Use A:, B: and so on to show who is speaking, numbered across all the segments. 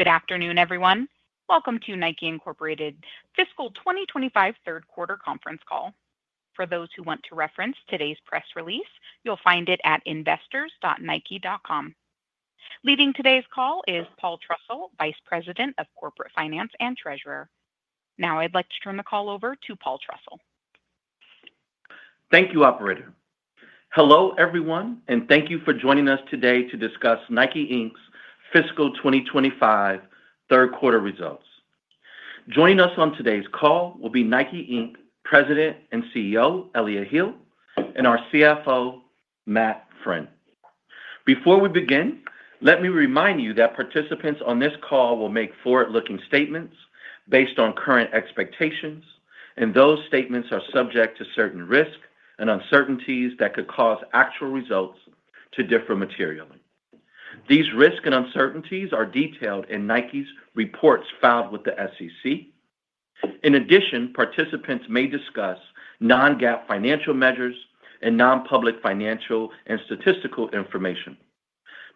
A: Good afternoon, everyone. Welcome to Nike, Incorporated Fiscal 2025 Q3 Conference Call. For those who want to reference today's press release, you'll find it at investors.nike.com. Leading today's call is Paul Trussell, Vice President of Corporate Finance and Treasurer. Now I'd like to turn the call over to Paul Trussell.
B: Thank you, Operator. Hello, everyone, and thank you for joining us today to discuss Nike, Inc's Fiscal 2025 Q3 results. Joining us on today's call will be Nike, Inc President and CEO, Elliott Hill and our CFO, Matt Friend. Before we begin, let me remind you that participants on this call will make forward-looking statements based on current expectations, and those statements are subject to certain risks and uncertainties that could cause actual results to differ materially. These risks and uncertainties are detailed in Nike's reports filed with the SEC. In addition, participants may discuss non-GAAP financial measures and non-public financial and statistical information.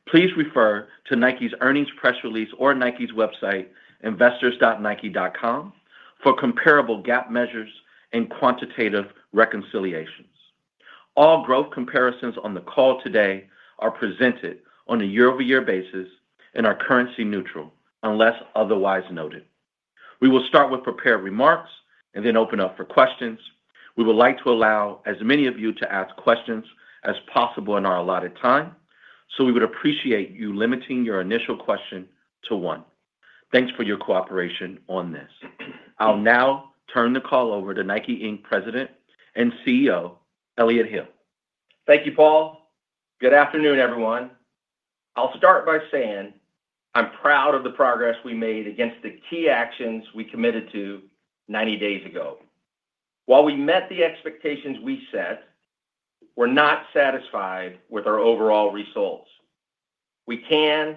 B: Please refer to Nike's earnings press release or Nike's website, investors.nike.com, for comparable GAAP measures and quantitative reconciliations. All growth comparisons on the call today are presented on a year-over-year basis and are currency neutral unless otherwise noted. We will start with prepared remarks and then open up for questions. We would like to allow as many of you to ask questions as possible in our allotted time, so we would appreciate you limiting your initial question to one. Thanks for your cooperation on this. I'll now turn the call over to Nike, Inc President and CEO, Elliott Hill.
C: Thank you, Paul. Good afternoon, everyone. I'll start by saying I'm proud of the progress we made against the key actions we committed to 90 days ago. While we met the expectations we set, we're not satisfied with our overall results. We can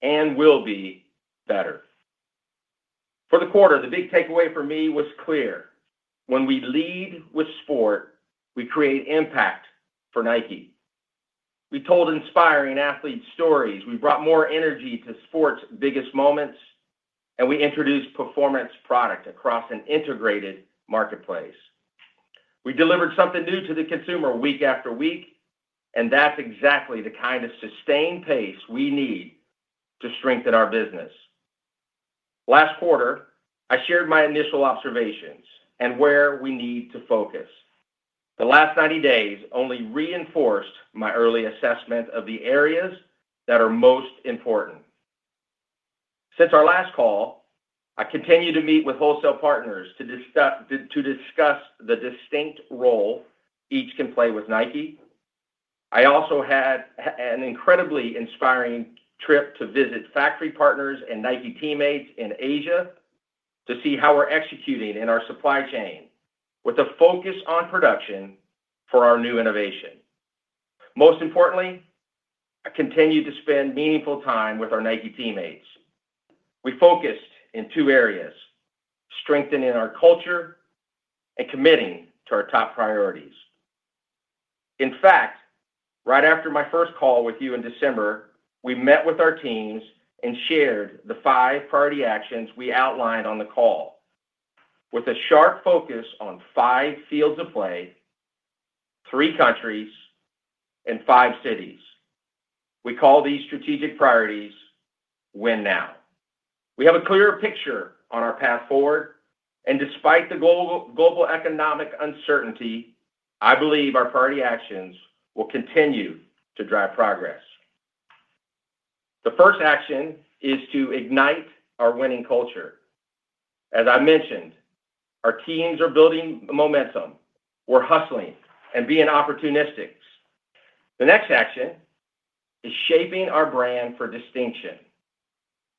C: and will be better. For the quarter, the big takeaway for me was clear: when we lead with sport, we create impact for Nike. We told inspiring athlete stories. We brought more energy to sport's biggest moments, and we introduced performance product across an integrated marketplace. We delivered something new to the consumer week after week, and that's exactly the kind of sustained pace we need to strengthen our business. Last quarter, I shared my initial observations and where we need to focus. The last 90 days only reinforced my early assessment of the areas that are most important. Since our last call, I continue to meet with wholesale partners to discuss the distinct role each can play with Nike. I also had an incredibly inspiring trip to visit factory partners and Nike teammates in Asia to see how we're executing in our supply chain with a focus on production for our new innovation. Most importantly, I continue to spend meaningful time with our Nike teammates. We focused in two areas: strengthening our culture and committing to our top priorities. In fact, right after my first call with you in December, we met with our teams and shared the five priority actions we outlined on the call, with a sharp focus on five fields of play, three countries, and five cities. We call these strategic priorities Win Now. We have a clearer picture on our path forward, and despite the global economic uncertainty, I believe our priority actions will continue to drive progress. The first action is to ignite our winning culture. As I mentioned, our teams are building momentum. We're hustling and being opportunistic. The next action is shaping our brand for distinction.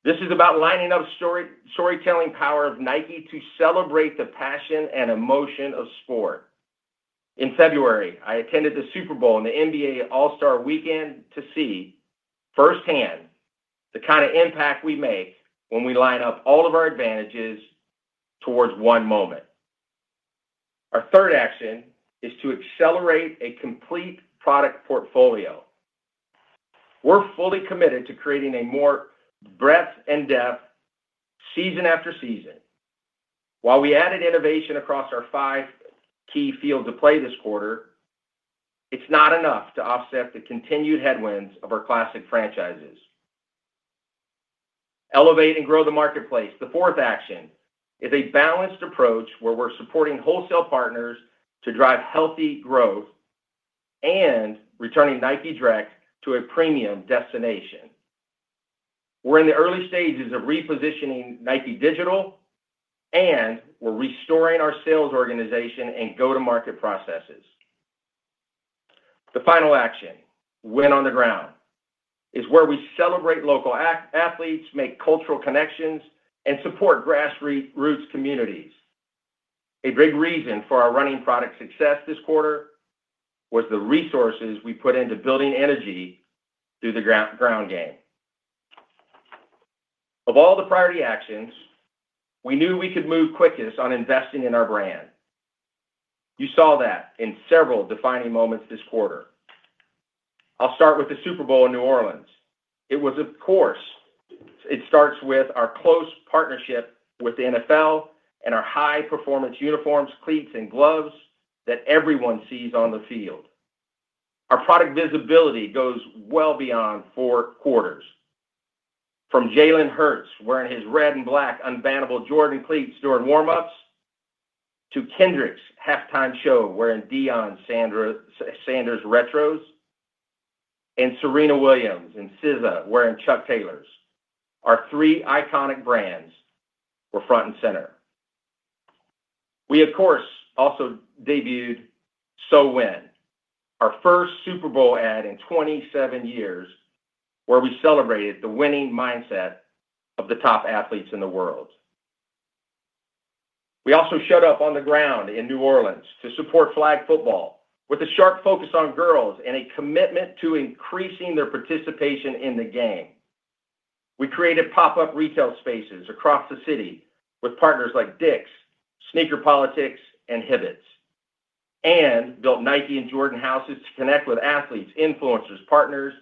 C: This is about lining up storytelling power of Nike to celebrate the passion and emotion of sport. In February, I attended the Super Bowl and the NBA All-Star Weekend to see firsthand the kind of impact we make when we line up all of our advantages towards one moment. Our third action is to accelerate a complete product portfolio. We're fully committed to creating a more breadth and depth, season after season. While we added innovation across our five key fields of play this quarter, it's not enough to offset the continued headwinds of our classic franchises. Elevate and grow the marketplace. The fourth action is a balanced approach where we're supporting wholesale partners to drive healthy growth and returning Nike Direct to a premium destination. We're in the early stages of repositioning Nike Digital, and we're restoring our sales organization and go-to-market processes. The final action, Win on the Ground, is where we celebrate local athletes, make cultural connections, and support grassroots communities. A big reason for our running product success this quarter was the resources we put into building energy through the ground game. Of all the priority actions, we knew we could move quickest on investing in our brand. You saw that in several defining moments this quarter. I'll start with the Super Bowl in New Orleans. It was, of course, it starts with our close partnership with the NFL and our high-performance uniforms, cleats, and gloves that everyone sees on the field. Our product visibility goes well beyond four quarters. From Jalen Hurts, wearing his red and black unbannable Jordan cleats during warm-ups, to Kendrick's halftime show wearing Deion Sanders retros, and Serena Williams and SZA wearing Chuck Taylors, our three iconic brands were front and center. We, of course, also debuted So Win, our first Super Bowl ad in 27 years, where we celebrated the winning mindset of the top athletes in the world. We also showed up on the ground in New Orleans to support flag football with a sharp focus on girls and a commitment to increasing their participation in the game. We created pop-up retail spaces across the city with partners like Dick's, Sneaker Politics, and Hibbett, and built Nike and Jordan houses to connect with athletes, influencers, partners,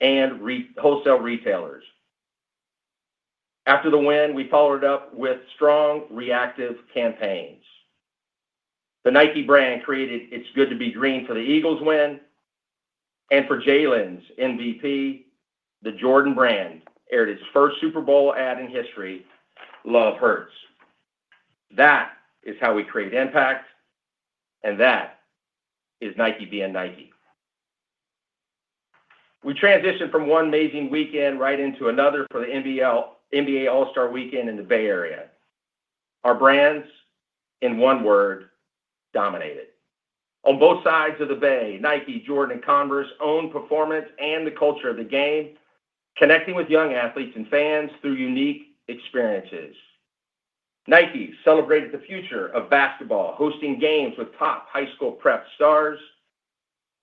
C: and wholesale retailers. After the Win, we followed up with strong, reactive campaigns. The Nike brand created "It's Good to Be Green" for the Eagles' Win, and for Jalen's MVP, the Jordan brand aired its first Super Bowl ad in history, "Love Hurts." That is how we create impact, and that is Nike being Nike. We transitioned from one amazing weekend right into another for the NBA All-Star Weekend in the Bay Area. Our brands, in one word, dominated. On both sides of the Bay, Nike, Jordan, and Converse owned performance and the culture of the game, connecting with young athletes and fans through unique experiences. Nike celebrated the future of basketball, hosting games with top high school prep stars.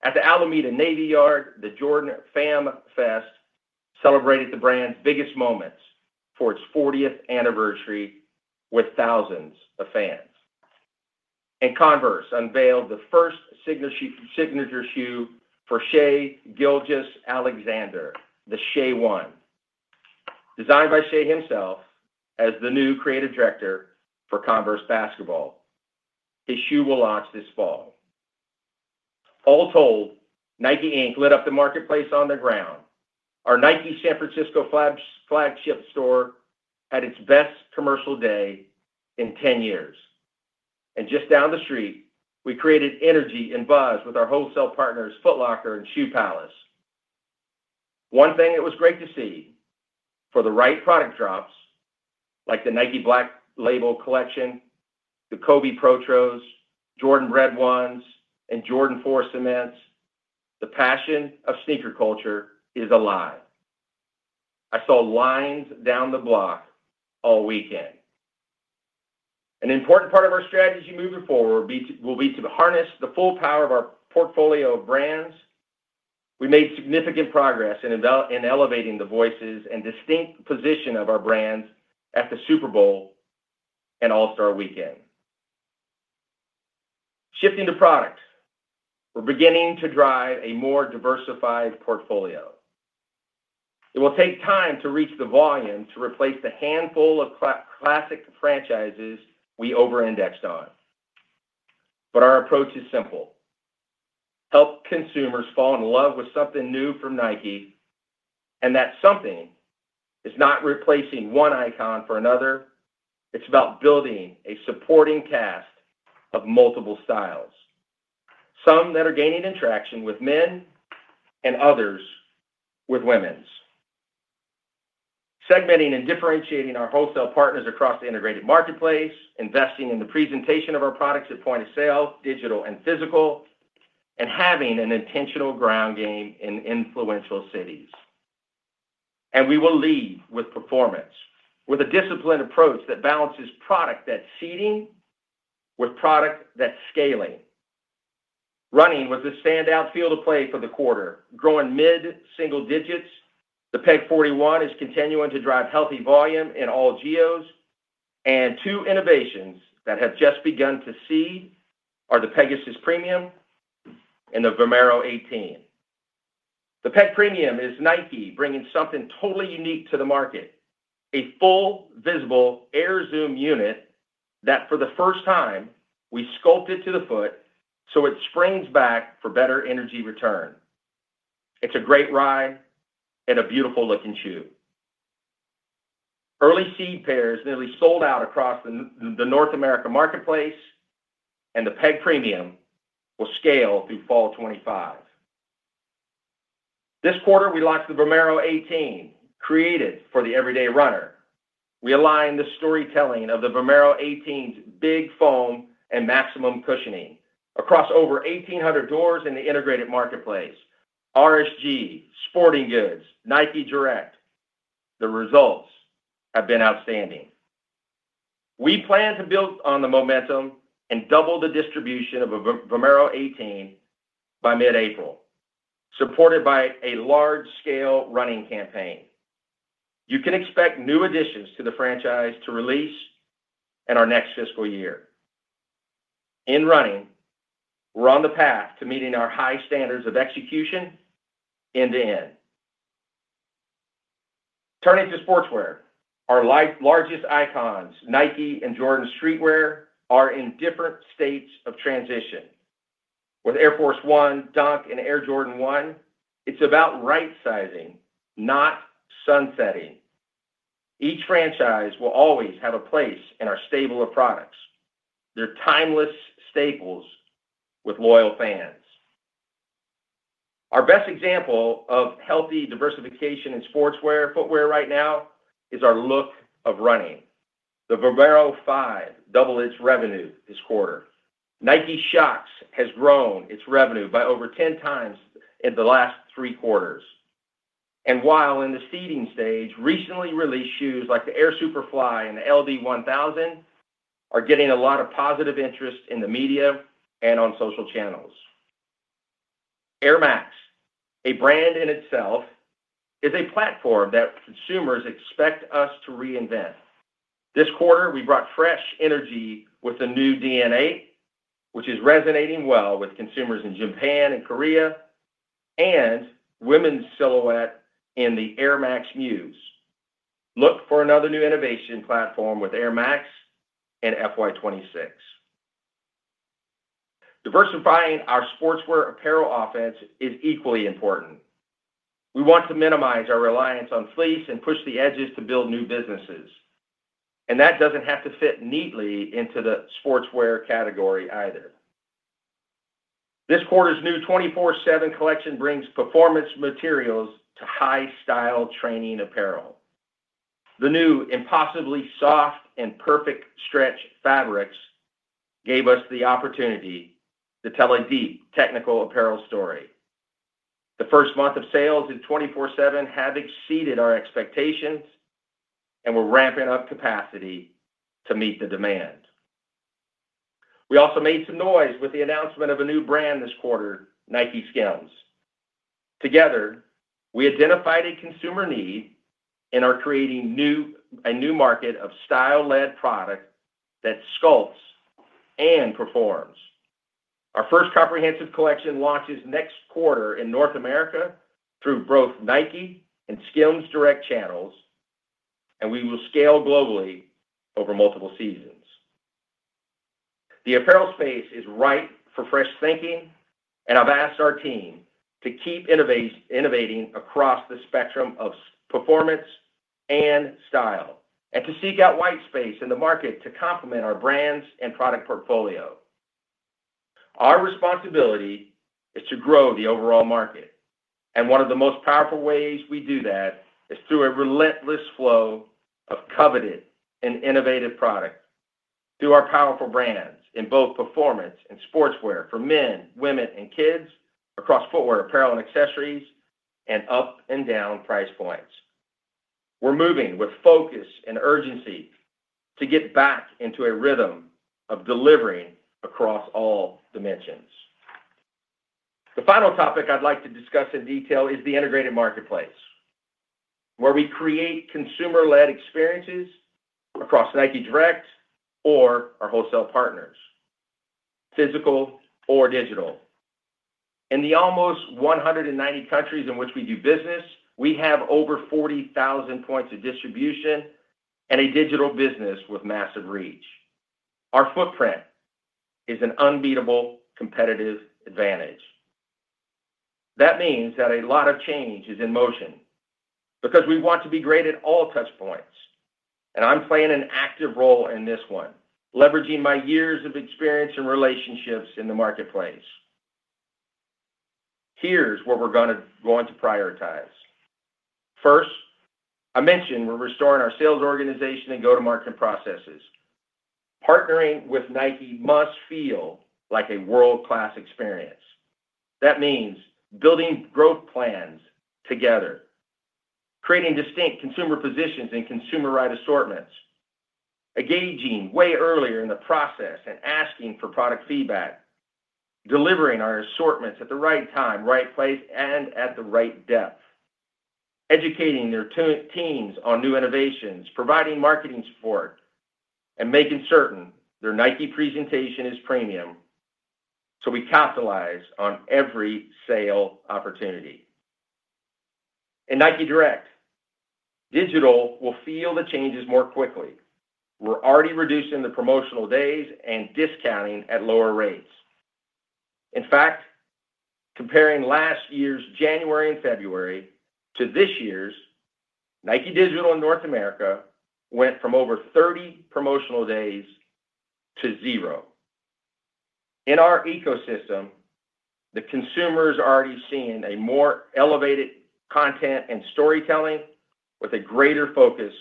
C: At the Alameda Navy Yard, the Jordan Fam Fest celebrated the brand's biggest moments for its 40th anniversary with thousands of fans. Converse unveiled the first signature shoe for Shai Gilgeous-Alexander, the SHAI 001, designed by Shai himself as the new creative director for Converse basketball. His shoe will launch this fall. All told, Nike lit up the marketplace on the ground. Our Nike San Francisco flagship store had its best commercial day in 10 years. Just down the street, we created energy and buzz with our wholesale partners, Foot Locker and Shoe Palace. One thing it was great to see: for the right product drops, like the Nike Black Label collection, the Kobe Protros, Jordan Bred 1s, and Jordan 4 Cements, the passion of sneaker culture is alive. I saw lines down the block all weekend. An important part of our strategy moving forward will be to harness the full power of our portfolio of brands. We made significant progress in elevating the voices and distinct position of our brands at the Super Bowl and All-Star Weekend. Shifting to product, we're beginning to drive a more diversified portfolio. It will take time to reach the volume to replace the handful of classic franchises we over-indexed on. Our approach is simple: help consumers fall in love with something new from Nike, and that something is not replacing one icon for another. It's about building a supporting cast of multiple styles, some that are gaining traction with men and others with women's. Segmenting and differentiating our wholesale partners across the integrated marketplace, investing in the presentation of our products at point of sale, digital and physical, and having an intentional ground game in influential cities. We will lead with performance, with a disciplined approach that balances product that's seeding with product that's scaling. Running was the standout field of play for the quarter, growing mid-single digits. The Peg 41 is continuing to drive healthy volume in all geos, and two innovations that have just begun to see are the Pegasus Premium and the Vomero 18. The Peg Premium is Nike bringing something totally unique to the market: a full visible Air Zoom unit that, for the first time, we sculpted to the foot so it springs back for better energy return. It's a great ride and a beautiful-looking shoe. Early seed pairs nearly sold out across the North America marketplace, and the Peg Premium will scale through Fall 2025. This quarter, we launched the Vomero 18, created for the everyday runner. We aligned the storytelling of the Vomero 18's big foam and maximum cushioning across over 1,800 doors in the integrated marketplace: RSG, Sporting Goods, Nike Direct. The results have been outstanding. We plan to build on the momentum and double the distribution of a Vomero 18 by mid-April, supported by a large-scale running campaign. You can expect new additions to the franchise to release in our next fiscal year. In running, we're on the path to meeting our high standards of execution end-to-end. Turning to sportswear, our largest icons, Nike and Jordan streetwear, are in different states of transition. With Air Force 1, Dunk, and Air Jordan 1, it's about right-sizing, not sunsetting. Each franchise will always have a place in our stable of products. They're timeless staples with loyal fans. Our best example of healthy diversification in sportswear and footwear right now is our look of running. The Vomero 5 doubled its revenue this quarter. Nike Shox has grown its revenue by over 10x in the last three quarters. While in the seeding stage, recently released shoes like the Air Superfly and the LD1000 are getting a lot of positive interest in the media and on social channels. Air Max, a brand in itself, is a platform that consumers expect us to reinvent. This quarter, we brought fresh energy with the new Dn8, which is resonating well with consumers in Japan and Korea, and women's silhouette in the Air Max Muse. Look for another new innovation platform with Air Max in fiscal year 2026. Diversifying our sportswear apparel offense is equally important. We want to minimize our reliance on fleece and push the edges to build new businesses. That does not have to fit neatly into the sportswear category either. This quarter's new 24/7 Collection brings performance materials to high-style training apparel. The new impossibly soft and perfect stretch fabrics gave us the opportunity to tell a deep technical apparel story. The first month of sales in 24/7 have exceeded our expectations and we're ramping up capacity to meet the demand. We also made some noise with the announcement of a new brand this quarter, NikeSKIMS. Together, we identified a consumer need in creating a new market of style-led product that sculpts and performs. Our first comprehensive collection launches next quarter in North America through both Nike and SKIMS direct channels, and we will scale globally over multiple seasons. The apparel space is ripe for fresh thinking, and I've asked our team to keep innovating across the spectrum of performance and style, and to seek out white space in the market to complement our brands and product portfolio. Our responsibility is to grow the overall market, and one of the most powerful ways we do that is through a relentless flow of coveted and innovative product through our powerful brands in both performance and sportswear for men, women, and kids across footwear, apparel, and accessories, and up and down price points. We're moving with focus and urgency to get back into a rhythm of delivering across all dimensions. The final topic I'd like to discuss in detail is the integrated marketplace, where we create consumer-led experiences across Nike Direct or our wholesale partners, physical or digital. In the almost 190 countries in which we do business, we have over 40,000 points of distribution and a digital business with massive reach. Our footprint is an unbeatable competitive advantage. That means that a lot of change is in motion because we want to be great at all touchpoints, and I'm playing an active role in this one, leveraging my years of experience and relationships in the marketplace. Here's where we're going to prioritize. First, I mentioned we're restoring our sales organization and go-to-market processes. Partnering with Nike must feel like a world-class experience. That means building growth plans together, creating distinct consumer positions and consumer-right assortments, engaging way earlier in the process and asking for product feedback, delivering our assortments at the right time, right place, and at the right depth, educating their teams on new innovations, providing marketing support, and making certain their Nike presentation is premium so we capitalize on every sale opportunity. In Nike Direct, digital will feel the changes more quickly. We're already reducing the promotional days and discounting at lower rates. In fact, comparing last year's January and February to this year's, Nike Digital in North America went from over 30 promotional days to zero. In our ecosystem, the consumer is already seeing a more elevated content and storytelling with a greater focus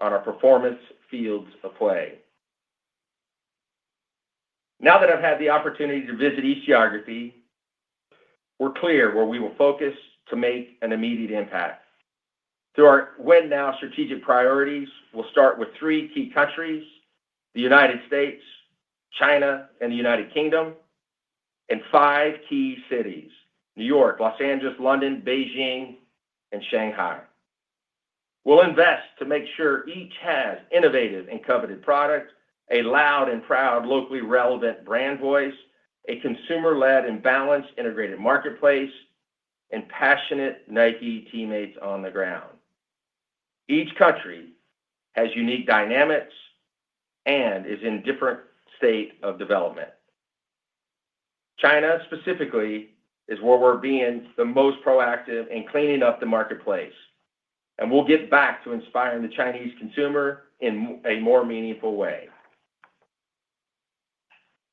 C: on our performance fields of play. Now that I've had the opportunity to visit each geography, we're clear where we will focus to make an immediate impact. Through our Win Now strategic priorities, we'll start with three key countries: the United States, China, and the United Kingdom, and five key cities: New York, Los Angeles, London, Beijing, and Shanghai. We'll invest to make sure each has innovative and coveted products, a loud and proud, locally relevant brand voice, a consumer-led and balanced integrated marketplace, and passionate Nike teammates on the ground. Each country has unique dynamics and is in a different state of development. China, specifically, is where we're being the most proactive in cleaning up the marketplace, and we'll get back to inspiring the Chinese consumer in a more meaningful way.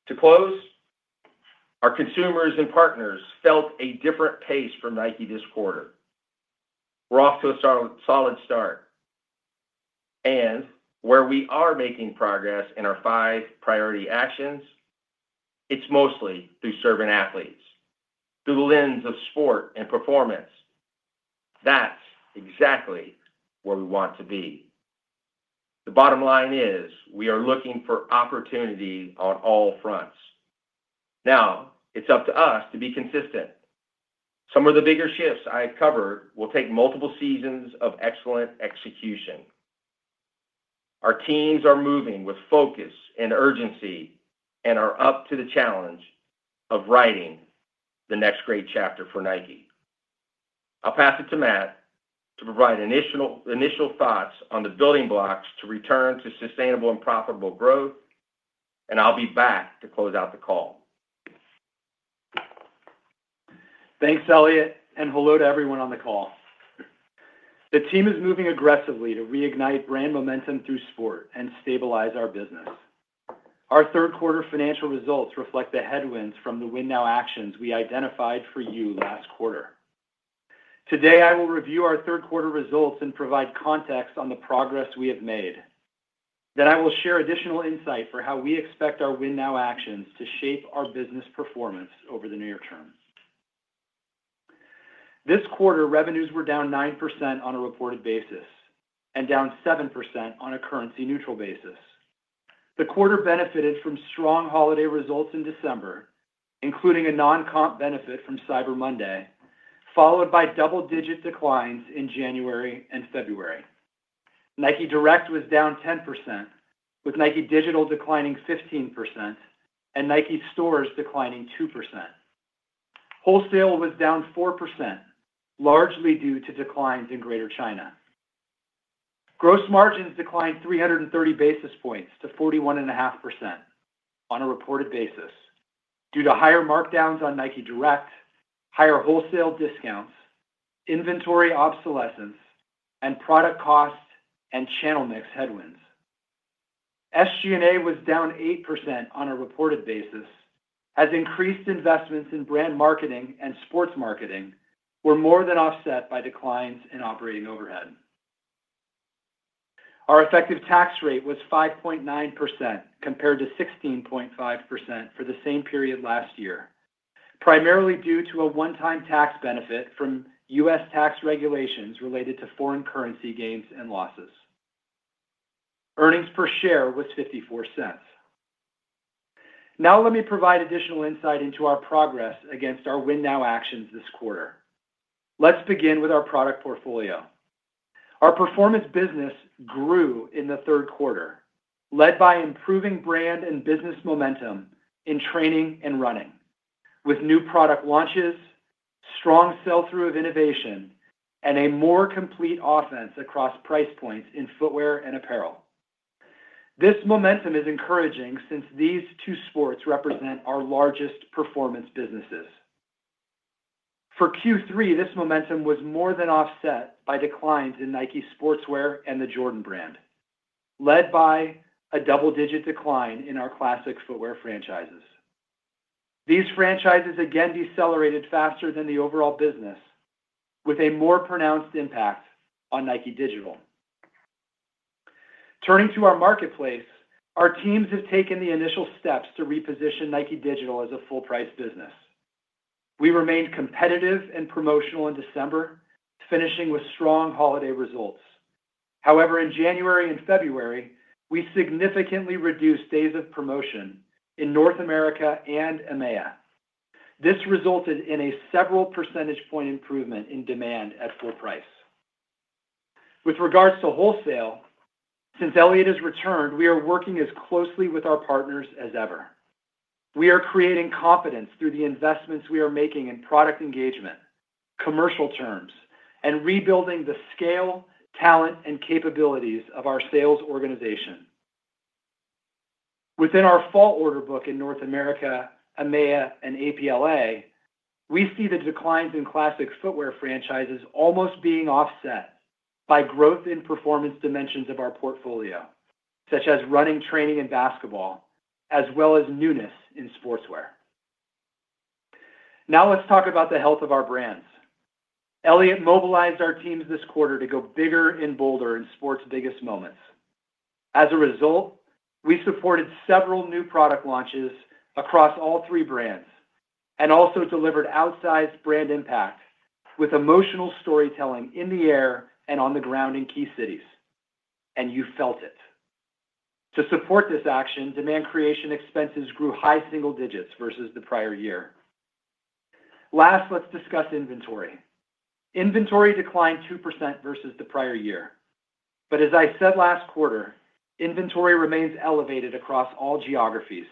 C: To close, our consumers and partners felt a different pace from Nike this quarter. We're off to a solid start. Where we are making progress in our five priority actions, it's mostly through serving athletes through the lens of sport and performance. That's exactly where we want to be. The bottom line is, we are looking for opportunity on all fronts. Now, it's up to us to be consistent. Some of the bigger shifts I have covered will take multiple seasons of excellent execution. Our teams are moving with focus and urgency and are up to the challenge of writing the next great chapter for Nike. I'll pass it to Matt to provide initial thoughts on the building blocks to return to sustainable and profitable growth, and I'll be back to close out the call.
D: Thanks, Elliott, and hello to everyone on the call. The team is moving aggressively to reignite brand momentum through sport and stabilize our business. Our Q3 financial results reflect the headwinds from the Win Now actions we identified for you last quarter. Today, I will review our third-quarter results and provide context on the progress we have made. Then I will share additional insight for how we expect our Win Now actions to shape our business performance over the near term. This quarter, revenues were down 9% on a reported basis and down 7% on a currency-neutral basis. The quarter benefited from strong holiday results in December, including a non-comp benefit from Cyber Monday, followed by double-digit declines in January and February. Nike Direct was down 10%, with Nike Digital declining 15% and Nike Stores declining 2%. Wholesale was down 4%, largely due to declines in Greater China. Gross margins declined 330 basis points to 41.5% on a reported basis due to higher markdowns on Nike Direct, higher wholesale discounts, inventory obsolescence, and product cost and channel mix headwinds. SG&A was down 8% on a reported basis as increased investments in brand marketing and sports marketing were more than offset by declines in operating overhead. Our effective tax rate was 5.9% compared to 16.5% for the same period last year, primarily due to a one-time tax benefit from U.S. tax regulations related to foreign currency gains and losses. Earnings per share was $0.54. Now, let me provide additional insight into our progress against our Win Now actions this quarter. Let's begin with our product portfolio. Our performance business grew in the Q3, led by improving brand and business momentum in training and running, with new product launches, strong sell through of innovation, and a more complete offense across price points in footwear and apparel. This momentum is encouraging since these two sports represent our largest performance businesses. For Q3, this momentum was more than offset by declines in Nike sportswear and the Jordan brand, led by a double-digit decline in our classic footwear franchises. These franchises again decelerated faster than the overall business, with a more pronounced impact on Nike Digital. Turning to our marketplace, our teams have taken the initial steps to reposition Nike Digital as a full-price business. We remained competitive and promotional in December, finishing with strong holiday results. However, in January and February, we significantly reduced days of promotion in North America and EMEA. This resulted in a several percentage point improvement in demand at full price. With regards to wholesale, since Elliott has returned, we are working as closely with our partners as ever. We are creating confidence through the investments we are making in product engagement, commercial terms, and rebuilding the scale, talent, and capabilities of our sales organization. Within our fall order book in North America, EMEA, and APLA, we see the declines in classic footwear franchises almost being offset by growth in performance dimensions of our portfolio, such as running, training, and basketball, as well as newness in sportswear. Now, let's talk about the health of our brands. Elliott mobilized our teams this quarter to go bigger and bolder in sports' biggest moments. As a result, we supported several new product launches across all three brands and also delivered outsized brand impact with emotional storytelling in the air and on the ground in key cities, and you felt it. To support this action, demand creation expenses grew high single digits versus the prior year. Last, let's discuss inventory. Inventory declined 2% versus the prior year. As I said last quarter, inventory remains elevated across all geographies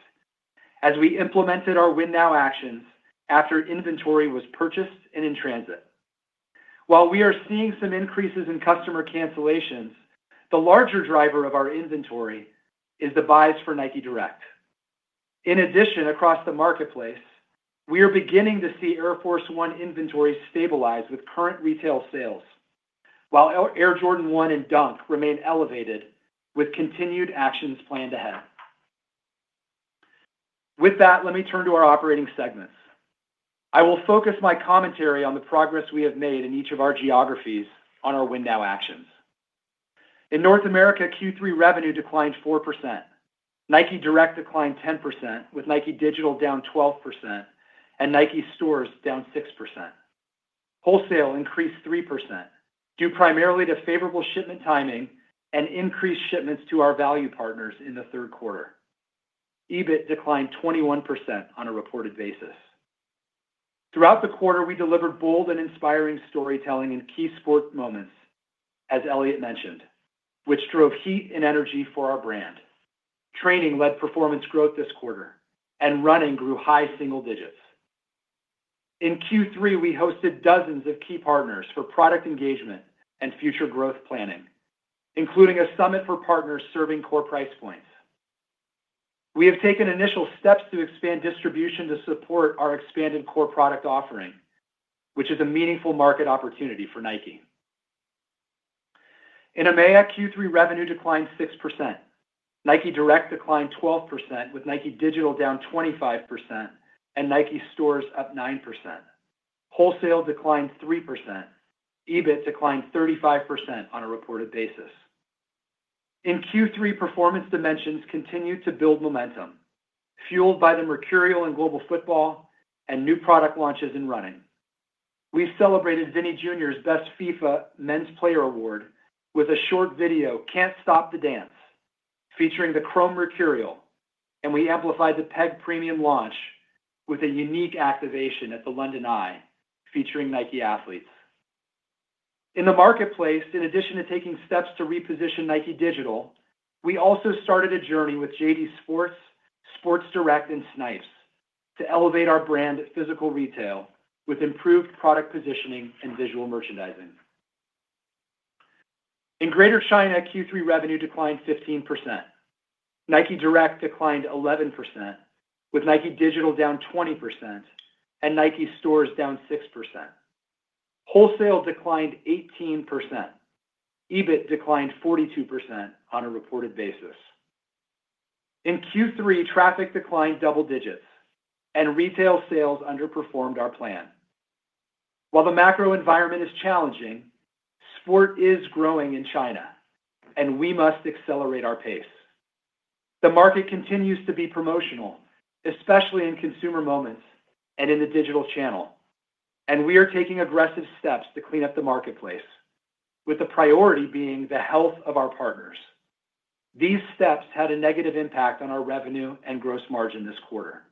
D: as we implemented our Win Now actions after inventory was purchased and in transit. While we are seeing some increases in customer cancellations, the larger driver of our inventory is the buys for Nike Direct. In addition, across the marketplace, we are beginning to see Air Force 1 inventory stabilize with current retail sales, while Air Jordan 1 and Dunk remain elevated with continued actions planned ahead. With that, let me turn to our operating segments. I will focus my commentary on the progress we have made in each of our geographies on our Win Now actions. In North America, Q3 revenue declined 4%. Nike Direct declined 10%, with Nike Digital down 12% and Nike Stores down 6%. Wholesale increased 3% due primarily to favorable shipment timing and increased shipments to our value partners in the Q3. EBIT declined 21% on a reported basis. Throughout the quarter, we delivered bold and inspiring storytelling in key sport moments, as Elliott mentioned, which drove heat and energy for our brand. Training led performance growth this quarter, and running grew high single digits. In Q3, we hosted dozens of key partners for product engagement and future growth planning, including a summit for partners serving core price points. We have taken initial steps to expand distribution to support our expanded core product offering, which is a meaningful market opportunity for Nike. In EMEA, Q3 revenue declined 6%. Nike Direct declined 12%, with Nike Digital down 25% and Nike Stores up 9%. Wholesale declined 3%. EBIT declined 35% on a reported basis. In Q3, performance dimensions continued to build momentum, fueled by the Mercurial in global football and new product launches in running. We celebrated Vini Jr.'s best FIFA Men's Player Award with a short video, "Can't Stop the Dance," featuring the Chrome Mercurial, and we amplified the Peg Premium launch with a unique activation at the London Eye featuring Nike athletes. In the marketplace, in addition to taking steps to reposition Nike Digital, we also started a journey with JD Sports, Sports Direct, and Snipes to elevate our brand physical retail with improved product positioning and visual merchandising. In Greater China, Q3 revenue declined 15%. Nike Direct declined 11%, with Nike Digital down 20% and Nike stores down 6%. Wholesale declined 18%. EBIT declined 42% on a reported basis. In Q3, traffic declined double digits, and retail sales underperformed our plan. While the macro environment is challenging, sport is growing in China, and we must accelerate our pace. The market continues to be promotional, especially in consumer moments and in the digital channel, and we are taking aggressive steps to clean up the marketplace, with the priority being the health of our partners. These steps had a negative impact on our revenue and gross margin this quarter.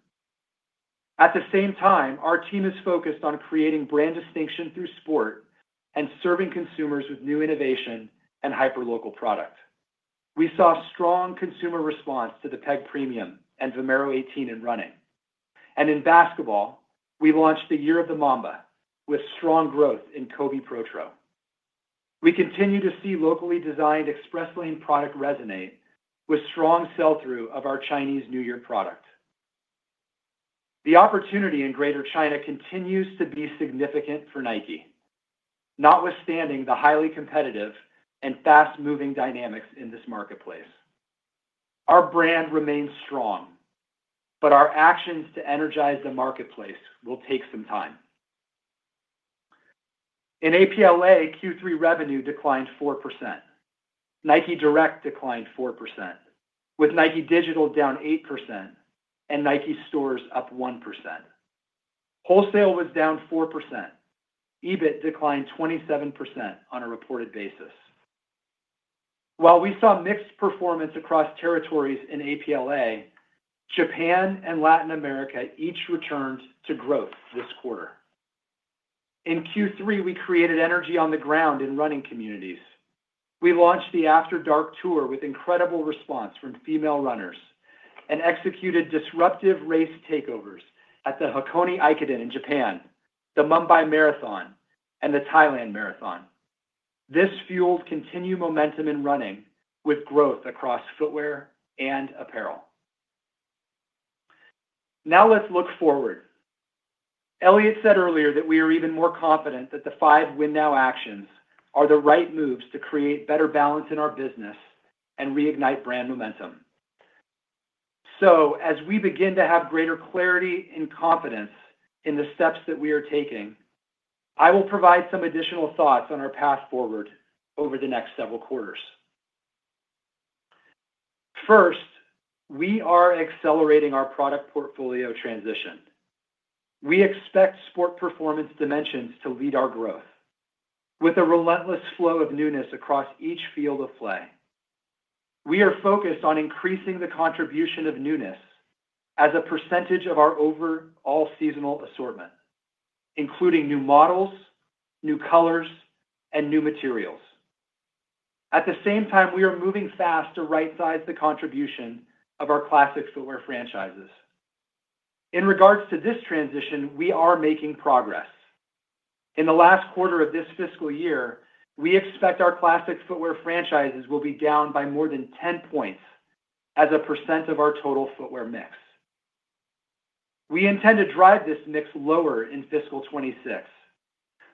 D: At the same time, our team is focused on creating brand distinction through sport and serving consumers with new innovation and hyperlocal product. We saw strong consumer response to the Peg Premium and Vomero 18 in running. In basketball, we launched the Year of the Mamba with strong growth in Kobe Protro. We continue to see locally designed Express Lane product resonate with strong sell-through of our Chinese New Year product. The opportunity in Greater China continues to be significant for Nike, notwithstanding the highly competitive and fast-moving dynamics in this marketplace. Our brand remains strong, but our actions to energize the marketplace will take some time. In APLA, Q3 revenue declined 4%. Nike Direct declined 4%, with Nike Digital down 8% and Nike Stores up 1%. Wholesale was down 4%. EBIT declined 27% on a reported basis. While we saw mixed performance across territories in APLA, Japan and Latin America each returned to growth this quarter. In Q3, we created energy on the ground in running communities. We launched the After Dark Tour with incredible response from female runners and executed disruptive race takeovers at the Hakone Ekiden in Japan, the Mumbai Marathon, and the Thailand Marathon. This fueled continued momentum in running with growth across footwear and apparel. Now, let's look forward. Elliott said earlier that we are even more confident that the five Win Now actions are the right moves to create better balance in our business and reignite brand momentum. As we begin to have greater clarity and confidence in the steps that we are taking, I will provide some additional thoughts on our path forward over the next several quarters. First, we are accelerating our product portfolio transition. We expect sport performance dimensions to lead our growth with a relentless flow of newness across each field of play. We are focused on increasing the contribution of newness as a percentage of our overall seasonal assortment, including new models, new colors, and new materials. At the same time, we are moving fast to right-size the contribution of our classic footwear franchises. In regards to this transition, we are making progress. In the last quarter of this fiscal year, we expect our classic footwear franchises will be down by more than 10 points as a percent of our total footwear mix. We intend to drive this mix lower in fiscal 2026,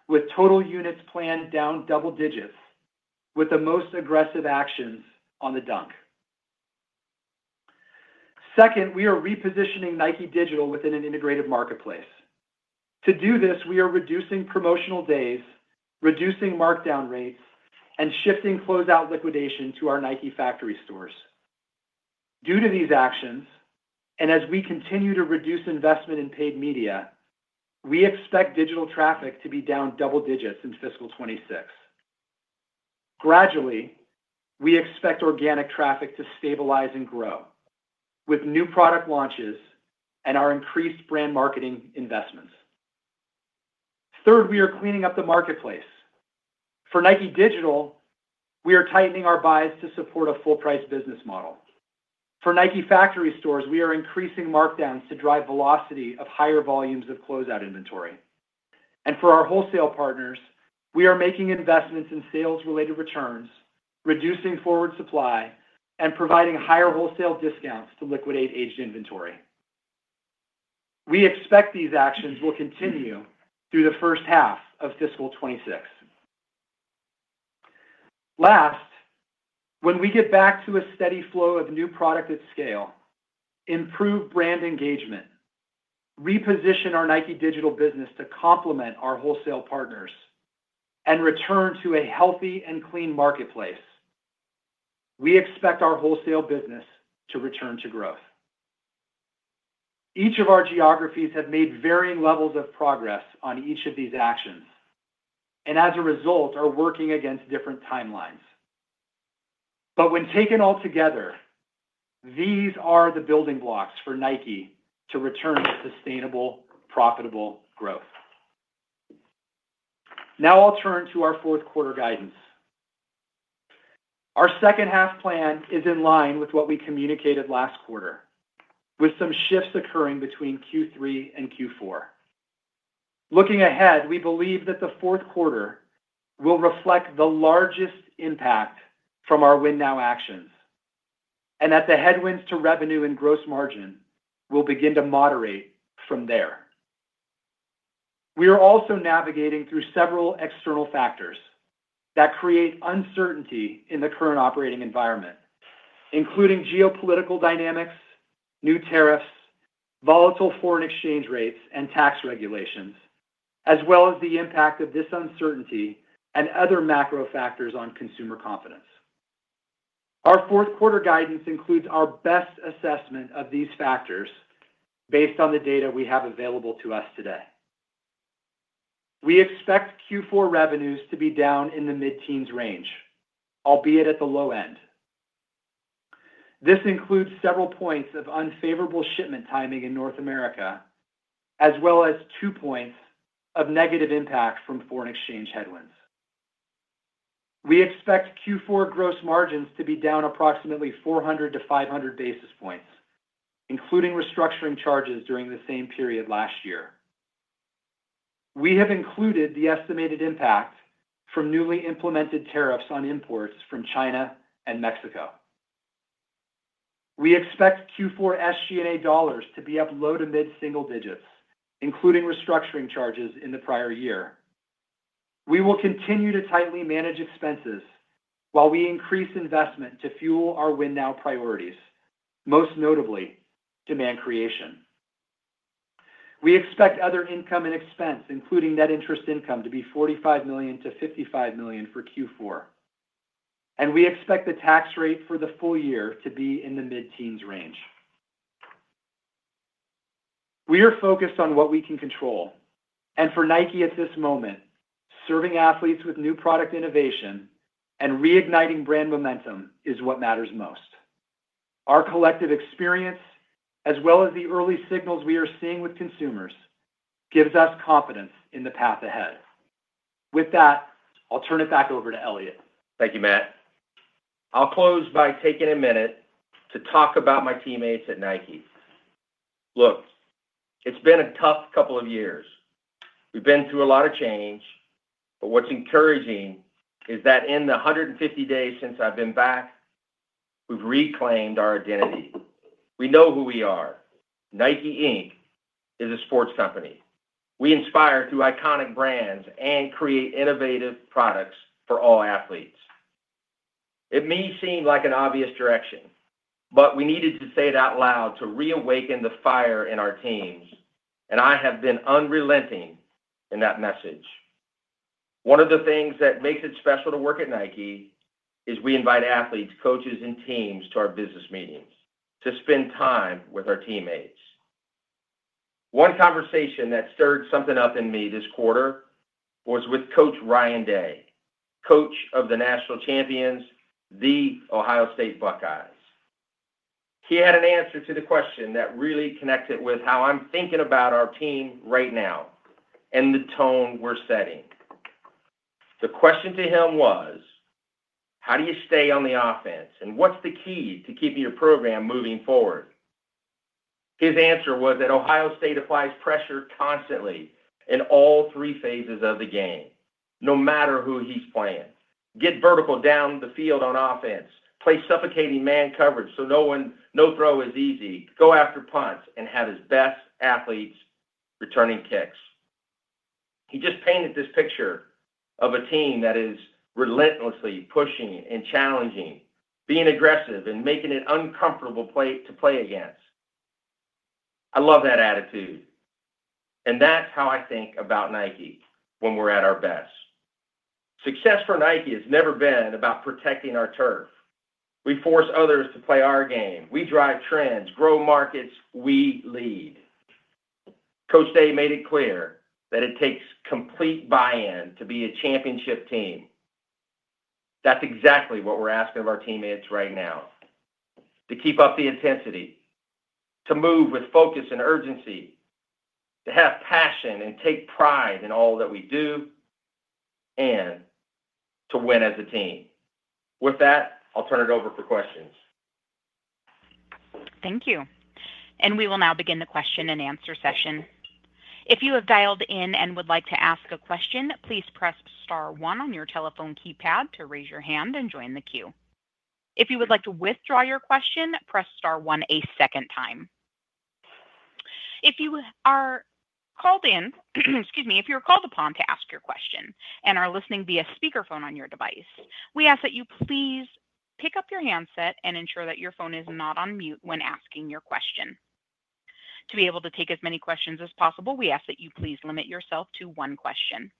D: with total units planned down double digits, with the most aggressive actions on the Dunk. Second, we are repositioning Nike Digital within an integrated marketplace. To do this, we are reducing promotional days, reducing markdown rates, and shifting closeout liquidation to our Nike factory stores. Due to these actions, and as we continue to reduce investment in paid media, we expect digital traffic to be down double digits in fiscal 2026. Gradually, we expect organic traffic to stabilize and grow with new product launches and our increased brand marketing investments. Third, we are cleaning up the marketplace. For Nike Digital, we are tightening our buys to support a full-price business model. For Nike factory stores, we are increasing markdowns to drive velocity of higher volumes of closeout inventory. For our wholesale partners, we are making investments in sales-related returns, reducing forward supply, and providing higher wholesale discounts to liquidate aged inventory. We expect these actions will continue through the first half of fiscal 2026. Last, when we get back to a steady flow of new product at scale, improve brand engagement, reposition our Nike Digital business to complement our wholesale partners, and return to a healthy and clean marketplace, we expect our wholesale business to return to growth. Each of our geographies has made varying levels of progress on each of these actions, and as a result, are working against different timelines. When taken all together, these are the building blocks for Nike to return to sustainable, profitable growth. Now, I'll turn to our Q4 guidance. Our second-half plan is in line with what we communicated last quarter, with some shifts occurring between Q3 and Q4. Looking ahead, we believe that the Q4 will reflect the largest impact from our Win Now actions, and that the headwinds to revenue and gross margin will begin to moderate from there. We are also navigating through several external factors that create uncertainty in the current operating environment, including geopolitical dynamics, new tariffs, volatile foreign exchange rates, and tax regulations, as well as the impact of this uncertainty and other macro factors on consumer confidence. Our Q4 guidance includes our best assessment of these factors based on the data we have available to us today. We expect Q4 revenues to be down in the mid-teens range, albeit at the low end. This includes several points of unfavorable shipment timing in North America, as well as two points of negative impact from foreign exchange headwinds. We expect Q4 gross margins to be down approximately 400 to 500 basis points, including restructuring charges during the same period last year. We have included the estimated impact from newly implemented tariffs on imports from China and Mexico. We expect Q4 SG&A dollars to be up low to mid-single digits, including restructuring charges in the prior year. We will continue to tightly manage expenses while we increase investment to fuel our Win Now priorities, most notably demand creation. We expect other income and expense, including net interest income, to be $45 to 55 million for Q4. We expect the tax rate for the full year to be in the mid-teens range. We are focused on what we can control, and for Nike at this moment, serving athletes with new product innovation and reigniting brand momentum is what matters most. Our collective experience, as well as the early signals we are seeing with consumers, gives us confidence in the path ahead. With that, I'll turn it back over to Elliott.
C: Thank you, Matt. I'll close by taking a minute to talk about my teammates at Nike. Look, it's been a tough couple of years. We've been through a lot of change, but what's encouraging is that in the 150 days since I've been back, we've reclaimed our identity. We know who we are. Nike, Inc is a sports company. We inspire through iconic brands and create innovative products for all athletes. It may seem like an obvious direction, but we needed to say it out loud to reawaken the fire in our teams, and I have been unrelenting in that message. One of the things that makes it special to work at Nike is we invite athletes, coaches, and teams to our business meetings to spend time with our teammates. One conversation that stirred something up in me this quarter was with Coach Ryan Day, coach of the national champions, the Ohio State Buckeyes. He had an answer to the question that really connected with how I'm thinking about our team right now and the tone we're setting. The question to him was, "How do you stay on the offense, and what's the key to keeping your program moving forward?" His answer was that Ohio State applies pressure constantly in all three phases of the game, no matter who he's playing. Get vertical down the field on offense. Play suffocating man coverage so no throw is easy. Go after punts and have his best athletes returning kicks. He just painted this picture of a team that is relentlessly pushing and challenging, being aggressive and making it uncomfortable to play against. I love that attitude, and that's how I think about Nike when we're at our best. Success for Nike has never been about protecting our turf. We force others to play our game. We drive trends. Grow markets. We lead. Coach Day made it clear that it takes complete buy-in to be a championship team. That's exactly what we're asking of our teammates right now: to keep up the intensity, to move with focus and urgency, to have passion and take pride in all that we do, and to win as a team. With that, I'll turn it over for questions.
A: Thank you. We will now begin the question and answer session. If you have dialed in and would like to ask a question, please press star one on your telephone keypad to raise your hand and join the queue. If you would like to withdraw your question, press star one a second time. If you are called in, excuse me, if you're called upon to ask your question and are listening via speakerphone on your device, we ask that you please pick up your handset and ensure that your phone is not on mute when asking your question. To be able to take as many questions as possible, we ask that you please limit yourself to one question.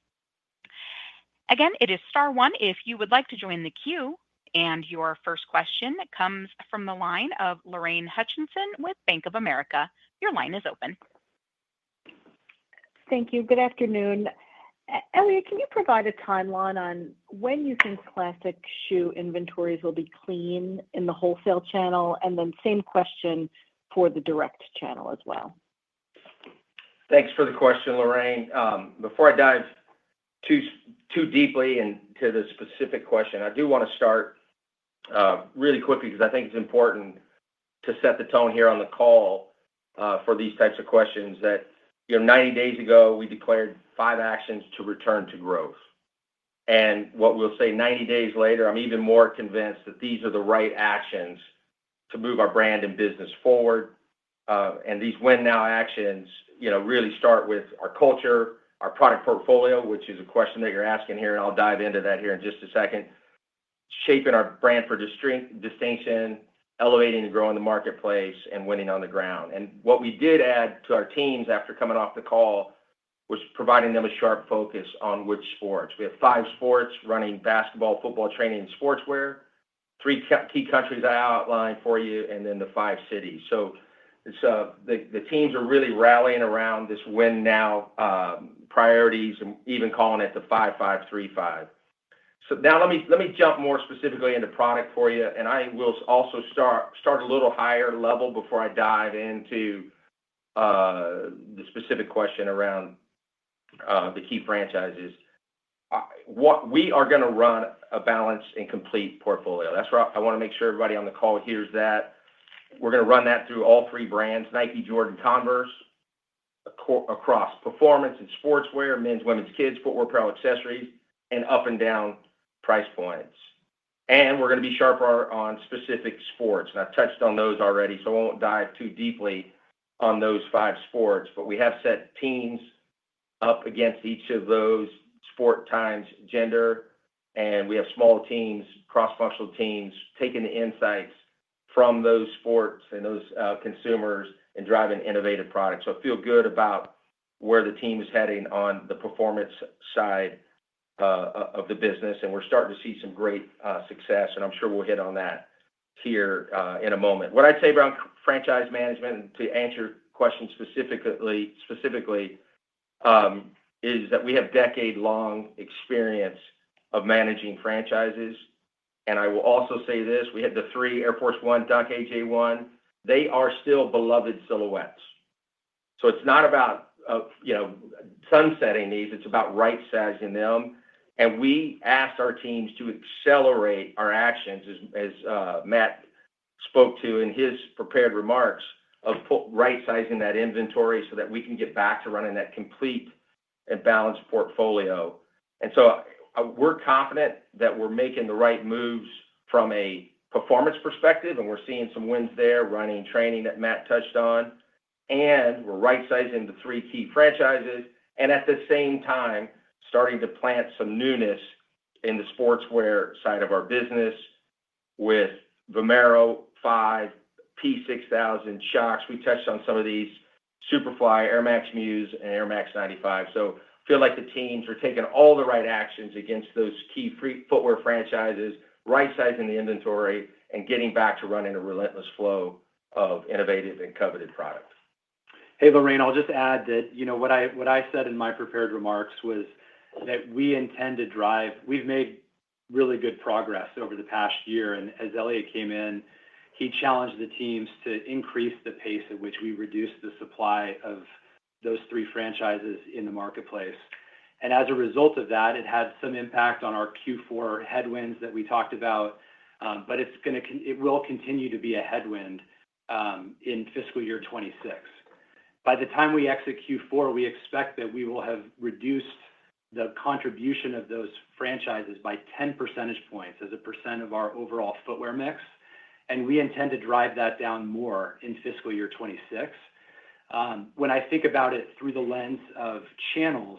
A: Again, it is star one if you would like to join the queue, and your first question comes from the line of Lorraine Hutchinson with Bank of America. Your line is open.
E: Thank you. Good afternoon. Elliott, can you provide a timeline on when you think classic shoe inventories will be clean in the wholesale channel? Then same question for the direct channel as well.
C: Thanks for the question, Lorraine. Before I dive too deeply into the specific question, I do want to start really quickly because I think it's important to set the tone here on the call for these types of questions that 90 days ago, we declared five actions to return to growth. What we'll say 90 days later, I'm even more convinced that these are the right actions to move our brand and business forward. These Win Now actions really start with our culture, our product portfolio, which is a question that you're asking here, and I'll dive into that here in just a second, shaping our brand for distinction, elevating and growing the marketplace, and winning on the ground. What we did add to our teams after coming off the call was providing them a sharp focus on which sports. We have five sports: running, basketball, football, training, and sportswear. Three key countries I outlined for you, and then the five cities. The teams are really rallying around this Win Now priorities and even calling it the 5-5-3-5. Now let me jump more specifically into product for you, and I will also start a little higher level before I dive into the specific question around the key franchises. We are going to run a balanced and complete portfolio. That's why I want to make sure everybody on the call hears that. We're going to run that through all three brands: Nike, Jordan, Converse, across performance and sportswear, men's, women's, kids, footwear, apparel, accessories, and up and down price points. We're going to be sharper on specific sports. I've touched on those already, so I won't dive too deeply on those five sports. We have set teams up against each of those sport types, gender, and we have small teams, cross-functional teams, taking the insights from those sports and those consumers and driving innovative products. I feel good about where the team is heading on the performance side of the business, and we're starting to see some great success, and I'm sure we'll hit on that here in a moment. What I'd say about franchise management, to answer your question specifically, is that we have decade-long experience of managing franchises. I will also say this: we had the three Air Force 1, Dunk, AJ1. They are still beloved silhouettes. It's not about sunsetting these; it's about right-sizing them. We asked our teams to accelerate our actions, as Matt spoke to in his prepared remarks, of right-sizing that inventory so that we can get back to running that complete and balanced portfolio. We are confident that we are making the right moves from a performance perspective, and we are seeing some wins there: running, training that Matt touched on, and we are right-sizing the three key franchises. At the same time, we are starting to plant some newness in the sportswear side of our business with Vomero 5, P-6000, Shox. We touched on some of these: Superfly, Air Max Muse, and Air Max 95. I feel like the teams are taking all the right actions against those key footwear franchises, right-sizing the inventory, and getting back to running a relentless flow of innovative and coveted product.
D: Hey, Lorraine, I'll just add that what I said in my prepared remarks was that we intend to drive—we've made really good progress over the past year. As Elliott came in, he challenged the teams to increase the pace at which we reduce the supply of those three franchises in the marketplace. As a result of that, it had some impact on our Q4 headwinds that we talked about, but it will continue to be a headwind in fiscal year 2026. By the time we exit Q4, we expect that we will have reduced the contribution of those franchises by 10 percentage points as a percent of our overall footwear mix, and we intend to drive that down more in fiscal year 2026. When I think about it through the lens of channels,